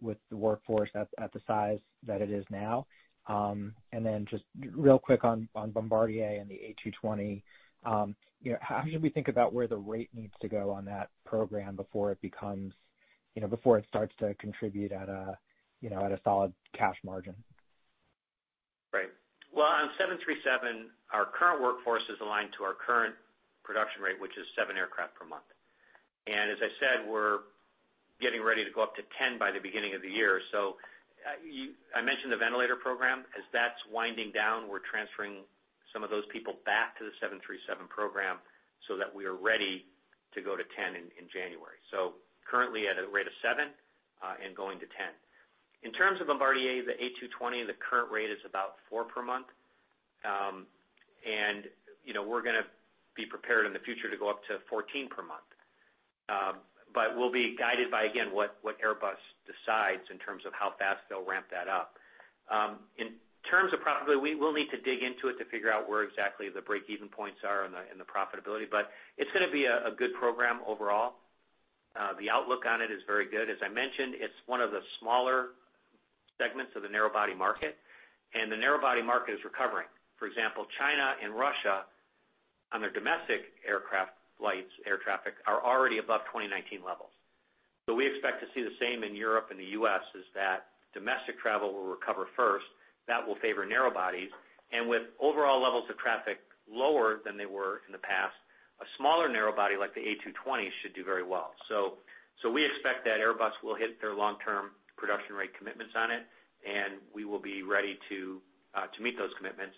with the workforce at, at the size that it is now? And then just real quick on, on Bombardier and the A220, you know, how should we think about where the rate needs to go on that program before it becomes, you know, before it starts to contribute at a, you know, at a solid cash margin? Right. Well, on 737, our current workforce is aligned to our current production rate, which is 7 aircraft per month. And as I said, we're getting ready to go up to 10 by the beginning of the year. So, I mentioned the ventilator program. As that's winding down, we're transferring some of those people back to the 737 program so that we are ready to go to 10 in January. So currently at a rate of 7, and going to 10. In terms of Bombardier, the A220, the current rate is about 4 per month. And, you know, we're gonna be prepared in the future to go up to 14 per month. But we'll be guided by, again, what Airbus decides in terms of how fast they'll ramp that up. In terms of profitability, we will need to dig into it to figure out where exactly the breakeven points are in the, in the profitability, but it's gonna be a, a good program overall. The outlook on it is very good. As I mentioned, it's one of the smaller segments of the narrow-body market, and the narrow-body market is recovering. For example, China and Russia, on their domestic aircraft flights, air traffic, are already above 2019 levels. So we expect to see the same in Europe and the U.S., is that domestic travel will recover first. That will favor narrow bodies, and with overall levels of traffic lower than they were in the past, a smaller narrow body, like the A220, should do very well. So we expect that Airbus will hit their long-term production rate commitments on it, and we will be ready to meet those commitments.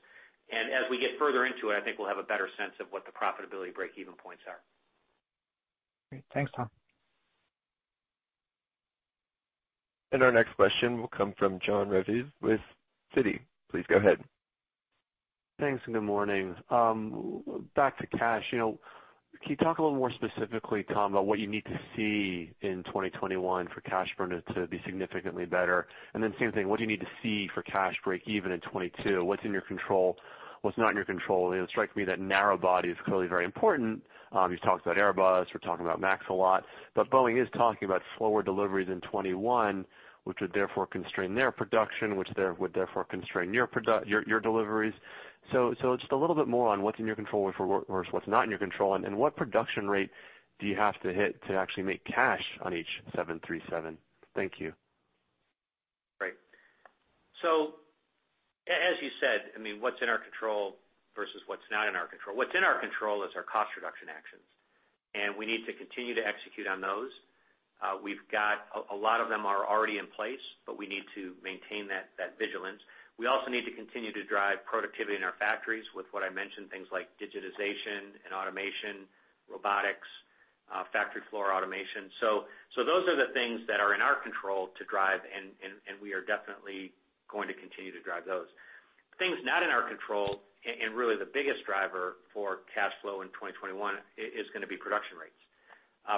As we get further into it, I think we'll have a better sense of what the profitability breakeven points are. Great. Thanks, Tom. Our next question will come from Jon Raviv with Citi. Please go ahead. Thanks, and good morning. Back to cash, you know, can you talk a little more specifically, Tom, about what you need to see in 2021 for cash burn to be significantly better? And then same thing, what do you need to see for cash breakeven in 2022? What's in your control? What's not in your control? It strikes me that narrow-body is clearly very important. You've talked about Airbus. We're talking about MAX a lot. But Boeing is talking about slower deliveries in 2021, which would therefore constrain their production, which would therefore constrain your deliveries. So just a little bit more on what's in your control versus what's not in your control, and what production rate do you have to hit to actually make cash on each 737? Thank you.... So as you said, I mean, what's in our control versus what's not in our control? What's in our control is our cost reduction actions, and we need to continue to execute on those. We've got a lot of them already in place, but we need to maintain that vigilance. We also need to continue to drive productivity in our factories with what I mentioned, things like digitization and automation, robotics, factory floor automation. So those are the things that are in our control to drive, and we are definitely going to continue to drive those. Things not in our control, and really the biggest driver for cash flow in 2021 is gonna be production rates,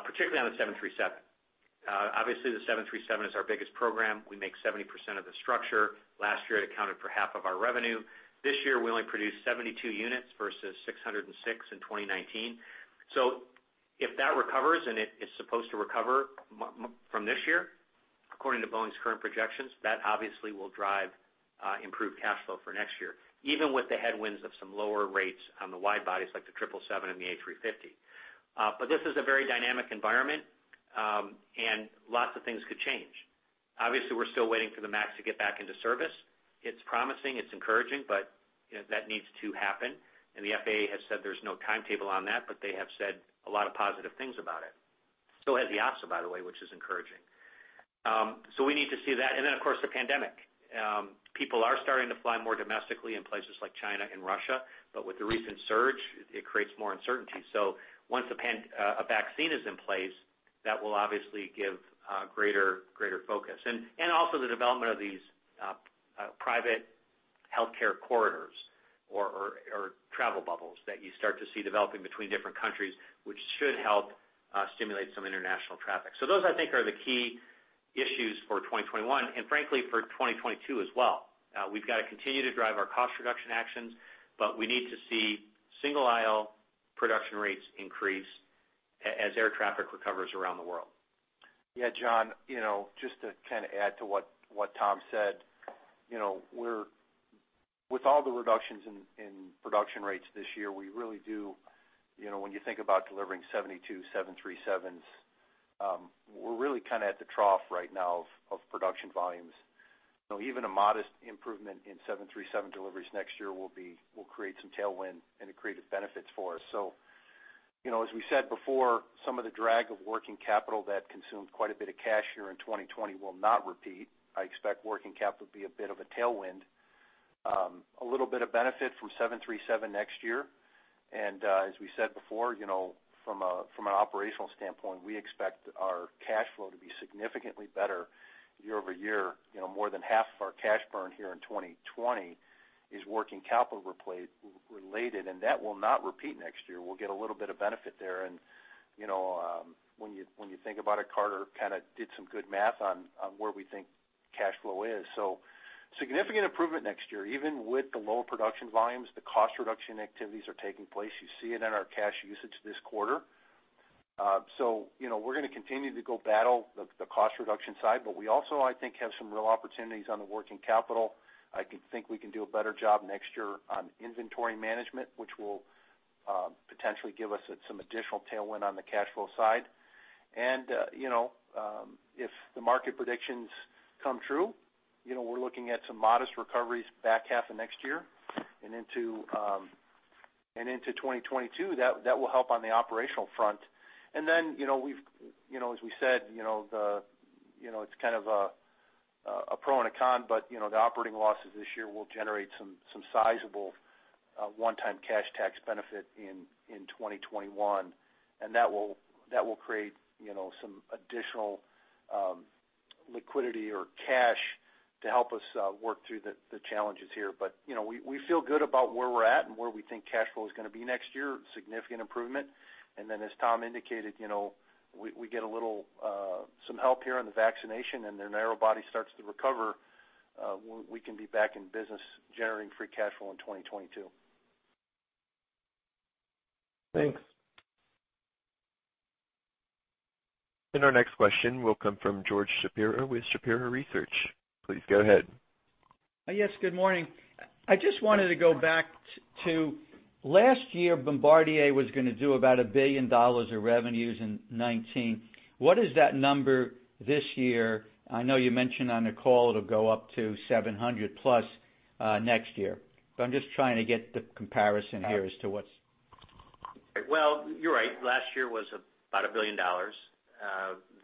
particularly on the 737. Obviously, the 737 is our biggest program. We make 70% of the structure. Last year, it accounted for half of our revenue. This year, we only produced 72 units versus 606 in 2019. So if that recovers, and it is supposed to recover from this year, according to Boeing's current projections, that obviously will drive improved cash flow for next year, even with the headwinds of some lower rates on the wide bodies, like the 777 and the A350. But this is a very dynamic environment, and lots of things could change. Obviously, we're still waiting for the MAX to get back into service. It's promising, it's encouraging, but, you know, that needs to happen, and the FAA has said there's no timetable on that, but they have said a lot of positive things about it. So has the EASA, by the way, which is encouraging. So we need to see that, and then, of course, the pandemic. People are starting to fly more domestically in places like China and Russia, but with the recent surge, it creates more uncertainty. So once a vaccine is in place, that will obviously give greater, greater focus. And, and also the development of these private healthcare corridors or, or, or travel bubbles that you start to see developing between different countries, which should help stimulate some international traffic. So those, I think, are the key issues for 2021, and frankly, for 2022 as well. We've got to continue to drive our cost reduction actions, but we need to see single aisle production rates increase as air traffic recovers around the world. Yeah, Jon, you know, just to kind of add to what Tom said, you know, we're with all the reductions in production rates this year, we really do, you know, when you think about delivering 72 737s, we're really kind of at the trough right now of production volumes. So even a modest improvement in 737 deliveries next year will create some tailwind and it creates benefits for us. So, you know, as we said before, some of the drag of working capital that consumed quite a bit of cash here in 2020 will not repeat. I expect working capital to be a bit of a tailwind. A little bit of benefit from 737 next year, and, as we said before, you know, from an operational standpoint, we expect our cash flow to be significantly better year-over-year. You know, more than half of our cash burn here in 2020 is working capital related, and that will not repeat next year. We'll get a little bit of benefit there. And, you know, when you think about it, Carter kind of did some good math on where we think cash flow is. So significant improvement next year, even with the lower production volumes, the cost reduction activities are taking place. You see it in our cash usage this quarter. So, you know, we're gonna continue to go battle the cost reduction side, but we also, I think, have some real opportunities on the working capital. I think we can do a better job next year on inventory management, which will potentially give us some additional tailwind on the cash flow side. And, you know, if the market predictions come true, you know, we're looking at some modest recoveries back half of next year and into, and into 2022, that, that will help on the operational front. And then, you know, we've, you know, as we said, you know, the, you know, it's kind of a, a pro and a con, but, you know, the operating losses this year will generate some, some sizable, one-time cash tax benefit in, in 2021, and that will, that will create, you know, some additional, liquidity or cash to help us, work through the, the challenges here. But, you know, we, we feel good about where we're at and where we think cash flow is gonna be next year, significant improvement. Then, as Tom indicated, you know, we get a little, some help here on the vaccination, and the narrow body starts to recover, we can be back in business, generating free cash flow in 2022. Thanks. Our next question will come from George Shapiro with Shapiro Research. Please go ahead. Yes, good morning. I just wanted to go back to last year, Bombardier was gonna do about $1 billion of revenues in 2019. What is that number this year? I know you mentioned on the call it'll go up to $700 plus next year. So I'm just trying to get the comparison here as to what's... Well, you're right. Last year was about $1 billion.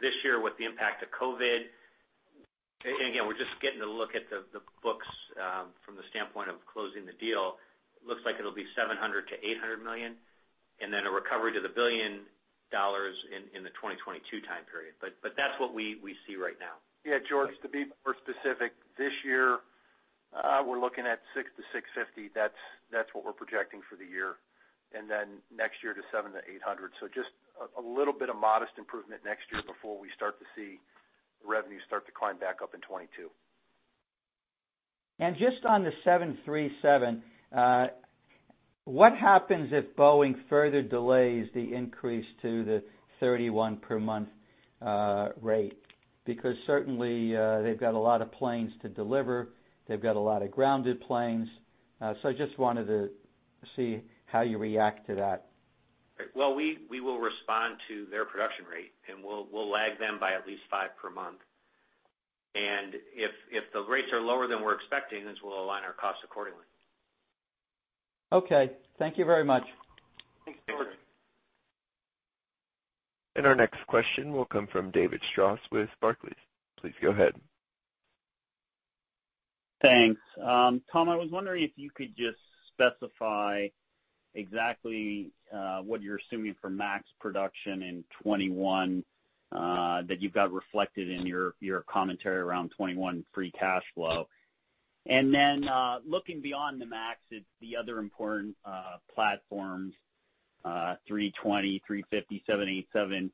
This year, with the impact of COVID, and again, we're just getting a look at the books from the standpoint of closing the deal, looks like it'll be $700 million-$800 million, and then a recovery to $1 billion in the 2022 time period. But that's what we see right now. Yeah, George, to be more specific, this year, we're looking at $600-$650. That's, that's what we're projecting for the year, and then next year to $700-$800. So just a little bit of modest improvement next year before we start to see revenues start to climb back up in 2022. Just on the 737, what happens if Boeing further delays the increase to the 31 per month rate? Because certainly, they've got a lot of planes to deliver. They've got a lot of grounded planes. So I just wanted to see how you react to that.... Well, we will respond to their production rate, and we'll lag them by at least 5 per month. And if the rates are lower than we're expecting, then we'll align our costs accordingly. Okay. Thank you very much. Thanks, George. Our next question will come from David Strauss with Barclays. Please go ahead. Thanks. Tom, I was wondering if you could just specify exactly what you're assuming for max production in 2021 that you've got reflected in your commentary around 2021 free cash flow. And then looking beyond the max at the other important platforms, 320, 350, 787,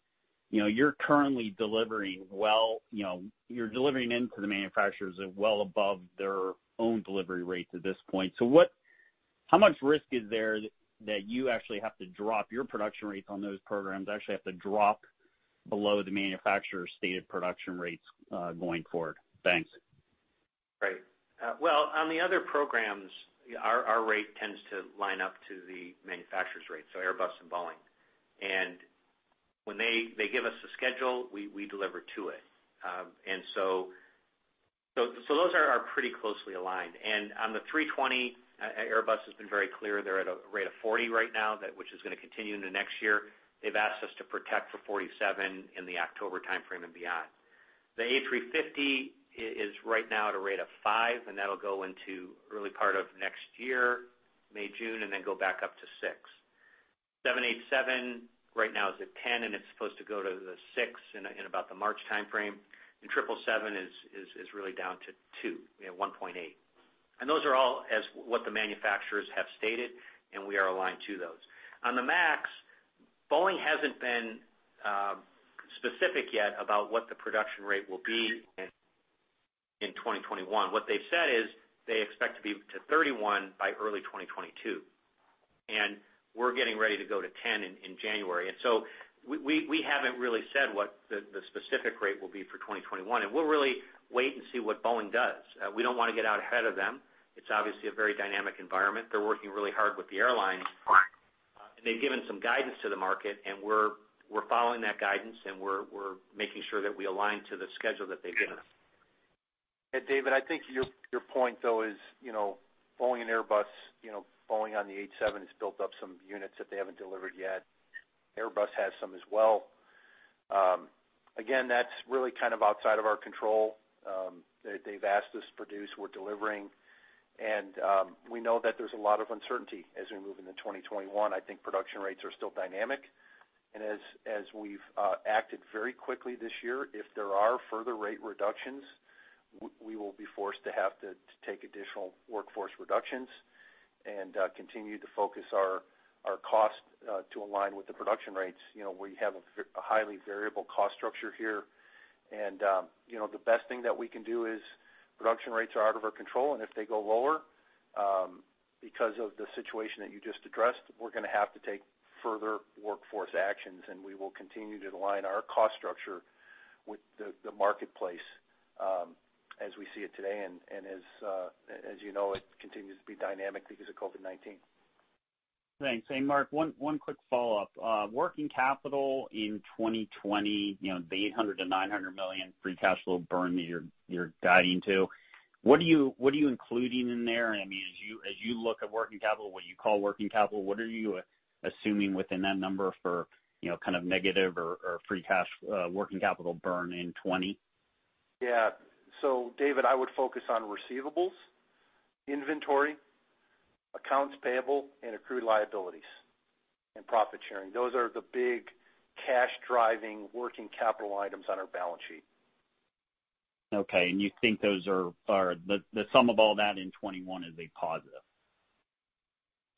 you know, you're currently delivering well, you know, you're delivering into the manufacturers at well above their own delivery rates at this point. So how much risk is there that you actually have to drop your production rates on those programs, actually have to drop below the manufacturer's stated production rates going forward? Thanks. Right. Well, on the other programs, our rate tends to line up to the manufacturer's rate, so Airbus and Boeing. And when they give us a schedule, we deliver to it. And so those are pretty closely aligned. And on the A320, Airbus has been very clear, they're at a rate of 40 right now, that which is gonna continue into next year. They've asked us to protect for 47 in the October timeframe and beyond. The A350 is right now at a rate of 5, and that'll go into early part of next year, May, June, and then go back up to 6. 787 right now is at 10, and it's supposed to go to the 6 in about the March timeframe. The 777 is really down to 2, you know, 1.8. Those are all as what the manufacturers have stated, and we are aligned to those. On the MAX, Boeing hasn't been specific yet about what the production rate will be in 2021. What they've said is, they expect to be to 31 by early 2022, and we're getting ready to go to 10 in January. So we haven't really said what the specific rate will be for 2021, and we'll really wait and see what Boeing does. We don't wanna get out ahead of them. It's obviously a very dynamic environment. They're working really hard with the airlines. They've given some guidance to the market, and we're following that guidance, and we're making sure that we align to the schedule that they give us. David, I think your, your point, though, is, you know, Boeing and Airbus, you know, Boeing on the 87 has built up some units that they haven't delivered yet. Airbus has some as well. Again, that's really kind of outside of our control. They've asked us to produce, we're delivering, and we know that there's a lot of uncertainty as we move into 2021. I think production rates are still dynamic. And as we've acted very quickly this year, if there are further rate reductions, we will be forced to have to take additional workforce reductions and continue to focus our cost to align with the production rates. You know, we have a highly variable cost structure here, and, you know, the best thing that we can do is production rates are out of our control, and if they go lower, because of the situation that you just addressed, we're gonna have to take further workforce actions, and we will continue to align our cost structure with the, the marketplace, as we see it today, and, and as, as you know, it continues to be dynamic because of COVID-19. Thanks. And Mark, one quick follow-up. Working capital in 2020, you know, the $800 million-$900 million free cash flow burn that you're guiding to, what are you including in there? I mean, as you look at working capital, what you call working capital, what are you assuming within that number for, you know, kind of negative or free cash working capital burn in 2020? Yeah. So David, I would focus on receivables, inventory, accounts payable, and accrued liabilities, and profit sharing. Those are the big cash-driving working capital items on our balance sheet. Okay, and you think those are... The sum of all that in 2021 is a positive?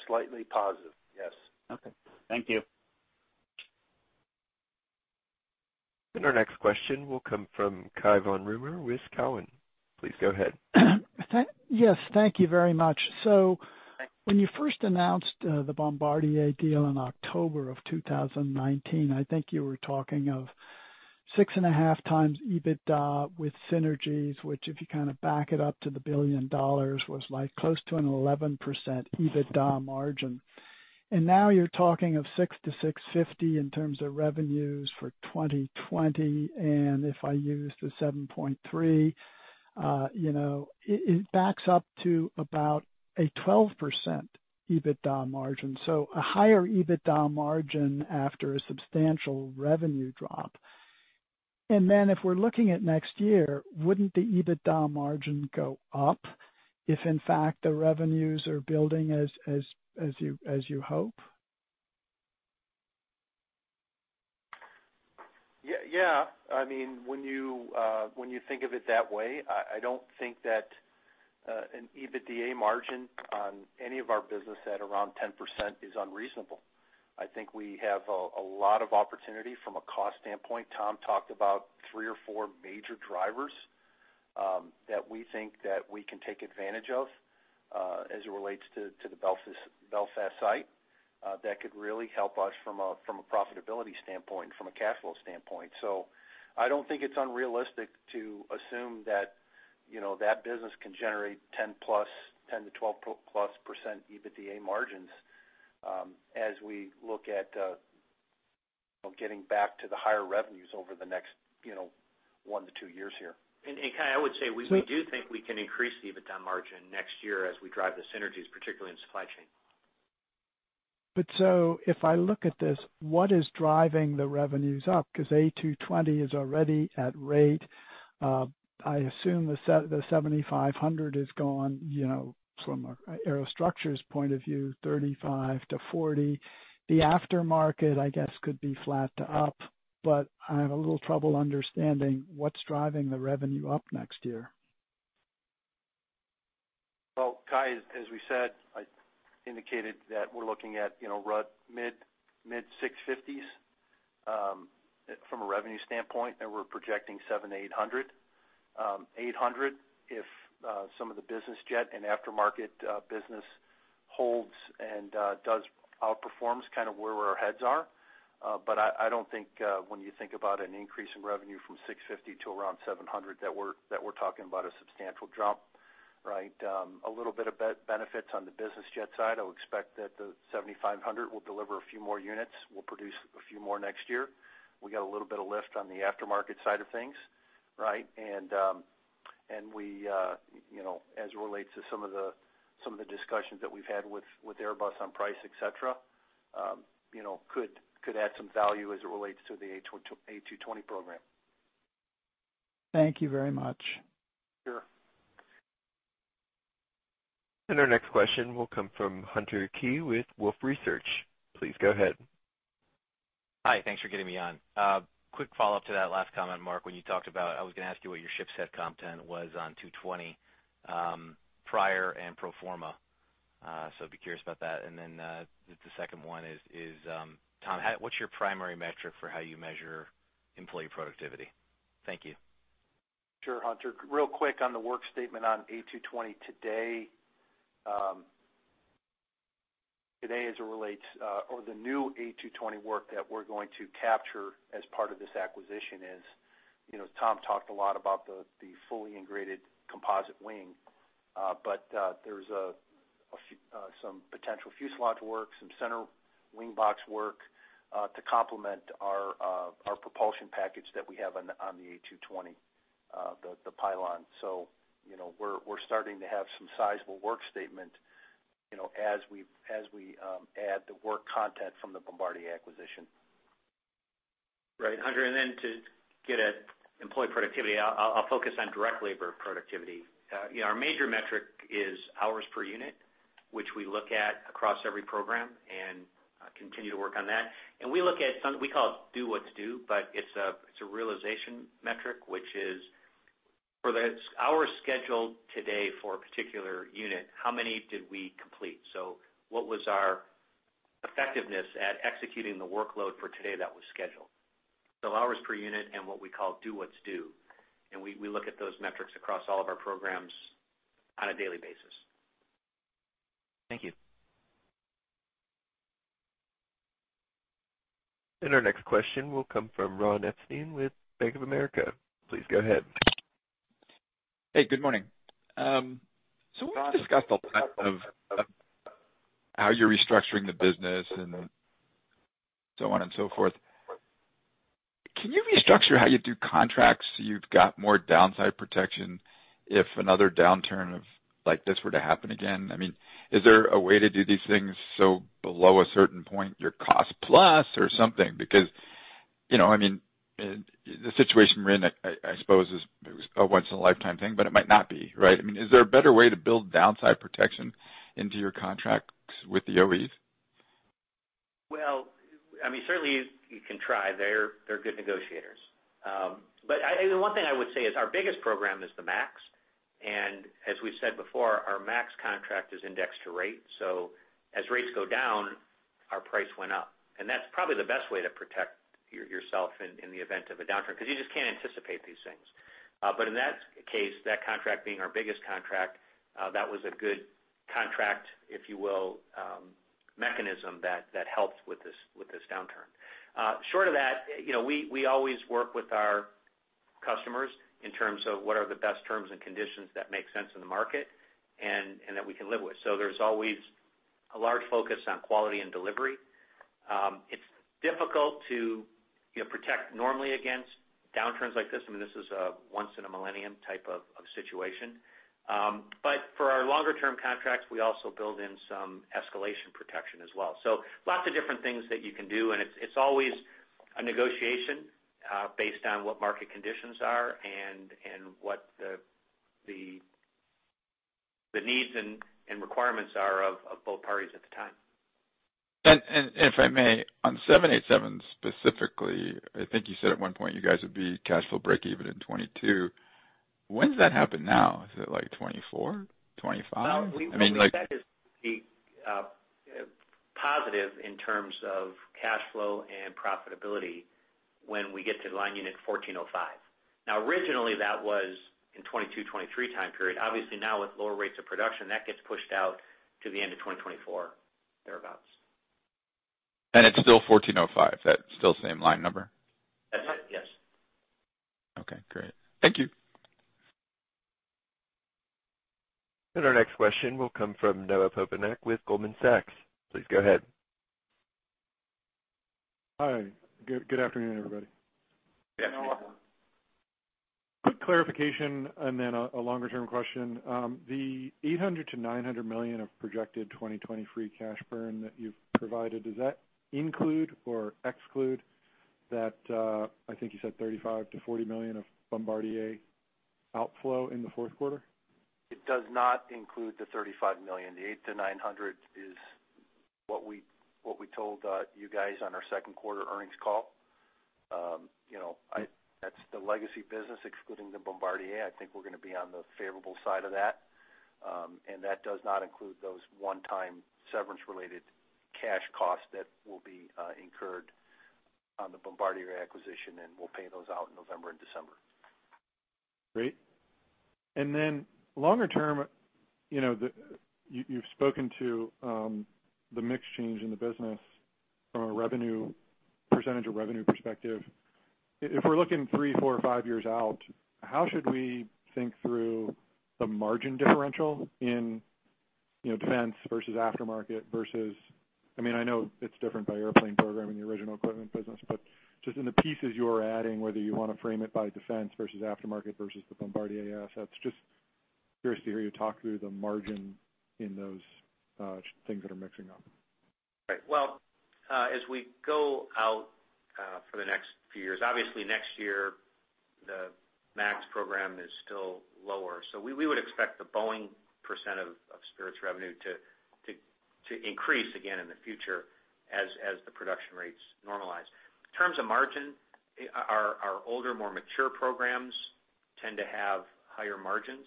Slightly positive, yes. Okay. Thank you. Our next question will come from Kai von Rumohr with Cowen. Please go ahead. Yes, thank you very much. So when you first announced the Bombardier deal in October of 2019, I think you were talking of 6.5 times EBITDA with synergies, which, if you kind of back it up to the $1 billion, was like close to an 11% EBITDA margin. And now you're talking of $600-$650 million in terms of revenues for 2020, and if I use the $73 million, you know, it backs up to about a 12% EBITDA margin, so a higher EBITDA margin after a substantial revenue drop. And then if we're looking at next year, wouldn't the EBITDA margin go up, if in fact, the revenues are building as you hope? Yeah. I mean, when you think of it that way, I don't think that an EBITDA margin on any of our business at around 10% is unreasonable. I think we have a lot of opportunity from a cost standpoint. Tom talked about three or four major drivers that we think that we can take advantage of as it relates to the Belfast site that could really help us from a profitability standpoint and from a cash flow standpoint. So I don't think it's unrealistic to assume that you know, that business can generate 10+, 10-12+ percent EBITDA margins as we look at you know, getting back to the higher revenues over the next 1-2 years here. Cai, I would say we do think we can increase the EBITDA margin next year as we drive the synergies, particularly in supply chain. So if I look at this, what is driving the revenues up? Because A220 is already at rate. I assume the 7500 is gone, you know, from a aerostructures point of view, 35-40. The aftermarket, I guess, could be flat to up, but I have a little trouble understanding what's driving the revenue up next year. Well, Kai, as we said, I indicated that we're looking at, you know, mid-650 million, from a revenue standpoint, and we're projecting $700 million-$800 million. $800 million, if some of the business jet and aftermarket business holds and does outperform kind of where our heads are. But I don't think, when you think about an increase in revenue from $650 million to around $700 million, that we're talking about a substantial jump, right? A little bit of benefits on the business jet side. I'll expect that the 7500 will deliver a few more units. We'll produce a few more next year. We got a little bit of lift on the aftermarket side of things, right? We, you know, as it relates to some of the discussions that we've had with Airbus on price, et cetera, you know, could add some value as it relates to the A220 program. Thank you very much. Sure. Our next question will come from Hunter Keay, with Wolfe Research. Please go ahead. Hi, thanks for getting me on. Quick follow-up to that last comment, Mark, when you talked about, I was gonna ask you what your shipset content was on A220, prior and pro forma. So I'd be curious about that. And then, the second one is, Tom, what's your primary metric for how you measure employee productivity? Thank you. Sure, Hunter. Real quick on the work statement on A220 today, as it relates, or the new A220 work that we're going to capture as part of this acquisition is, you know, Tom talked a lot about the fully integrated composite wing. But, there's some potential fuselage work, some center wing box work, to complement our propulsion package that we have on the A220, the pylon. So, you know, we're starting to have some sizable work statement, you know, as we add the work content from the Bombardier acquisition. Right, Hunter, and then to get at employee productivity, I'll focus on direct labor productivity. You know, our major metric is hours per unit, which we look at across every program and continue to work on that. And we look at, we call it Do What's Due, but it's a realization metric, which is for the hours scheduled today for a particular unit, how many did we complete? So what was our effectiveness at executing the workload for today that was scheduled? So hours per unit, and what we call Do What's Due, and we look at those metrics across all of our programs on a daily basis. Thank you. Our next question will come from Ron Epstein, with Bank of America. Please go ahead. Hey, good morning. So we've discussed a lot of how you're restructuring the business and so on and so forth. Can you restructure how you do contracts, so you've got more downside protection if another downturn of like this were to happen again? I mean, is there a way to do these things, so below a certain point, you're cost plus or something? Because, you know, I mean, the situation we're in, I suppose, is a once in a lifetime thing, but it might not be, right? I mean, is there a better way to build downside protection into your contracts with the OEs? Well, I mean, certainly you can try. They're good negotiators. But, and the one thing I would say is our biggest program is the MAX, and as we've said before, our MAX contract is indexed to rate. So as rates go down, our price went up, and that's probably the best way to protect yourself in the event of a downturn, because you just can't anticipate these things. But in that case, that contract being our biggest contract, that was a good contract, if you will, mechanism that helped with this downturn. Short of that, you know, we always work with our customers in terms of what are the best terms and conditions that make sense in the market and that we can live with. So there's always a large focus on quality and delivery. It's difficult to, you know, protect normally against downturns like this. I mean, this is a once in a millennium type of situation. But for our longer term contracts, we also build in some escalation protection as well. So lots of different things that you can do, and it's always a negotiation based on what market conditions are and what the needs and requirements are of both parties at the time. And if I may, on 787 specifically, I think you said at one point you guys would be cash flow breakeven in 2022. When does that happen now? Is it like 2024, 2025? I mean, like- Well, what we said is positive in terms of cash flow and profitability when we get to line unit 1405. Now, originally, that was in 2022, 2023 time period. Obviously, now with lower rates of production, that gets pushed out to the end of 2024, thereabouts.... It's still 1405, that's still same line number? That's right, yes. Okay, great. Thank you! Our next question will come from Noah Poponak with Goldman Sachs. Please go ahead. Hi, good, good afternoon, everybody. Hey, Noah. Quick clarification, and then a longer term question. The $800 million-$900 million of projected 2020 free cash burn that you've provided, does that include or exclude that, I think you said $35 million-$40 million of Bombardier outflow in the fourth quarter? It does not include the $35 million. The $800-$900 is what we, what we told you guys on our second quarter earnings call. You know, that's the legacy business, excluding the Bombardier. I think we're gonna be on the favorable side of that. And that does not include those one-time severance related cash costs that will be incurred on the Bombardier acquisition, and we'll pay those out in November and December. Great. And then longer term, you know, the, you've spoken to the mix change in the business from a revenue, percentage of revenue perspective. If, if we're looking 3, 4, 5 years out, how should we think through the margin differential in, you know, defense versus aftermarket versus... I mean, I know it's different by airplane program in the original equipment business, but just in the pieces you are adding, whether you wanna frame it by defense versus aftermarket versus the Bombardier assets, just curious to hear you talk through the margin in those things that are mixing up. Right. Well, as we go out, for the next few years, obviously next year, the MAX program is still lower. So we would expect the Boeing percent of Spirit's revenue to increase again in the future as the production rates normalize. In terms of margin, our older, more mature programs tend to have higher margins,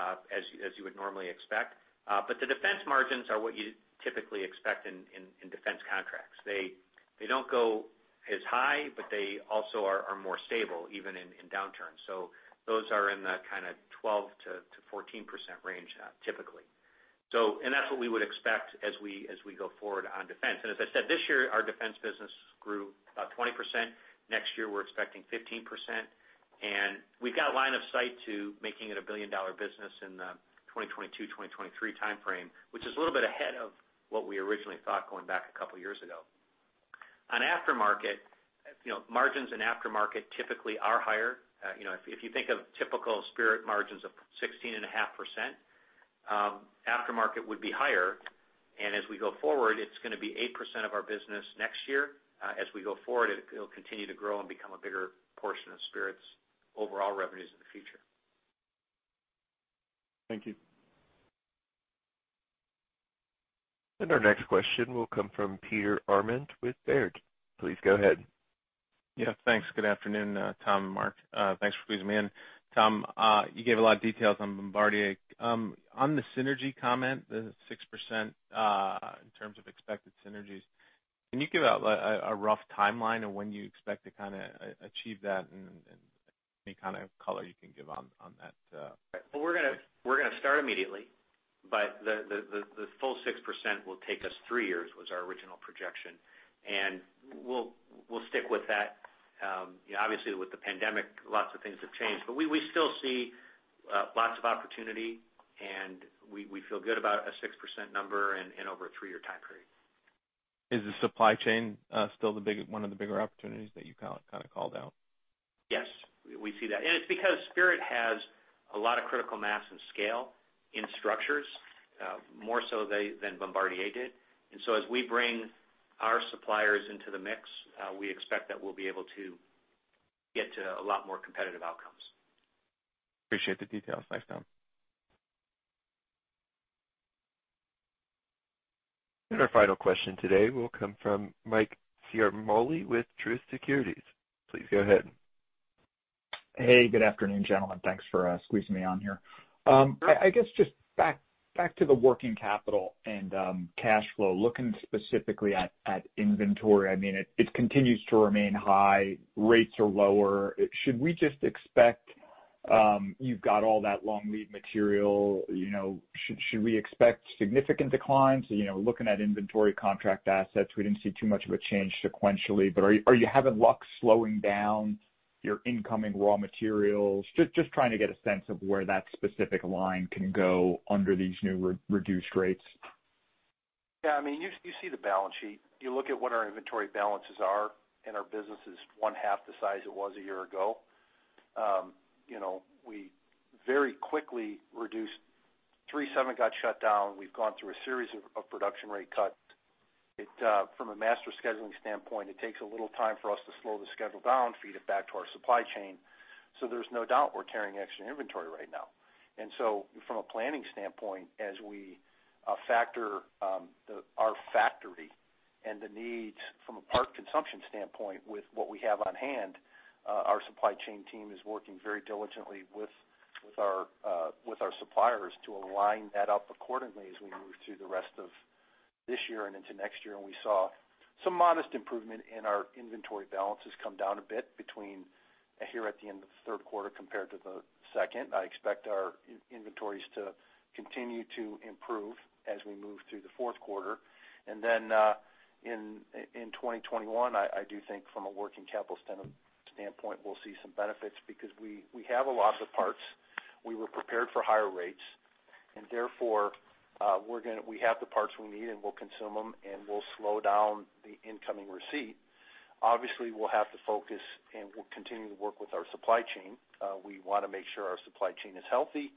as you would normally expect. But the defense margins are what you'd typically expect in defense contracts. They don't go as high, but they also are more stable, even in downturns. So those are in the kind of 12%-14% range, typically. So, and that's what we would expect as we go forward on defense. And as I said, this year, our defense business grew about 20%. Next year, we're expecting 15%, and we've got line of sight to making it a billion-dollar business in the 2022, 2023 timeframe, which is a little bit ahead of what we originally thought going back a couple of years ago. On aftermarket, you know, margins in aftermarket typically are higher. You know, if, if you think of typical Spirit margins of 16.5%, aftermarket would be higher, and as we go forward, it's gonna be 8% of our business next year. As we go forward, it, it'll continue to grow and become a bigger portion of Spirit's overall revenues in the future. Thank you. Our next question will come from Peter Arment with Baird. Please go ahead. Yeah, thanks. Good afternoon, Tom and Mark. Thanks for squeezing me in. Tom, you gave a lot of details on Bombardier. On the synergy comment, the 6%, in terms of expected synergies, can you give out a rough timeline of when you expect to kinda achieve that and any kind of color you can give on that? Well, we're gonna start immediately, but the full 6% will take us three years, was our original projection, and we'll stick with that. You know, obviously, with the pandemic, lots of things have changed, but we still see lots of opportunity, and we feel good about a 6% number and over a three-year time period. Is the supply chain still the big one of the bigger opportunities that you kind of called out? Yes, we see that. And it's because Spirit has a lot of critical mass and scale in structures, more so they, than Bombardier did. And so as we bring our suppliers into the mix, we expect that we'll be able to get to a lot more competitive outcomes. Appreciate the details. Thanks, Tom. Our final question today will come from Mike Ciarmoli with Truist Securities. Please go ahead. Hey, good afternoon, gentlemen. Thanks for squeezing me on here. I guess just back to the working capital and cash flow, looking specifically at inventory, I mean, it continues to remain high, rates are lower. Should we just expect, you've got all that long lead material, you know, should we expect significant declines? You know, looking at inventory contract assets, we didn't see too much of a change sequentially, but are you having luck slowing down your incoming raw materials? Just trying to get a sense of where that specific line can go under these new reduced rates. Yeah, I mean, you, you see the balance sheet. You look at what our inventory balances are, and our business is one half the size it was a year ago. You know, we very quickly reduced. 37 got shut down. We've gone through a series of production rate cuts. It from a master scheduling standpoint, it takes a little time for us to slow the schedule down, feed it back to our supply chain. So there's no doubt we're carrying extra inventory right now. And so from a planning standpoint, as we factor our factory and the needs from a part consumption standpoint with what we have on hand, our supply chain team is working very diligently with our suppliers to align that up accordingly as we move through the rest of this year and into next year. And we saw some modest improvement, and our inventory balances come down a bit between here at the end of the third quarter compared to the second. I expect our inventories to continue to improve as we move through the fourth quarter. And then, in 2021, I do think from a working capital standpoint, we'll see some benefits because we have a lot of the parts. We were prepared for higher rates, and therefore, we're gonna—we have the parts we need, and we'll consume them, and we'll slow down the incoming receipt. Obviously, we'll have to focus, and we'll continue to work with our supply chain. We wanna make sure our supply chain is healthy,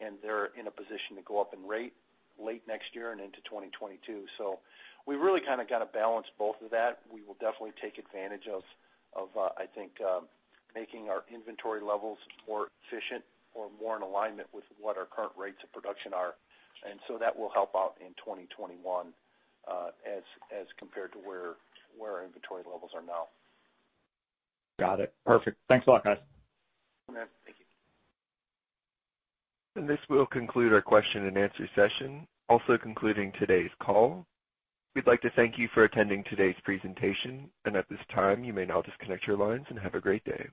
and they're in a position to go up in rate late next year and into 2022. So we've really kind of got to balance both of that. We will definitely take advantage of making our inventory levels more efficient or more in alignment with what our current rates of production are. And so that will help out in 2021, as compared to where our inventory levels are now. Got it. Perfect. Thanks a lot, guys. Thank you. This will conclude our question and answer session, also concluding today's call. We'd like to thank you for attending today's presentation. At this time, you may now disconnect your lines, and have a great day.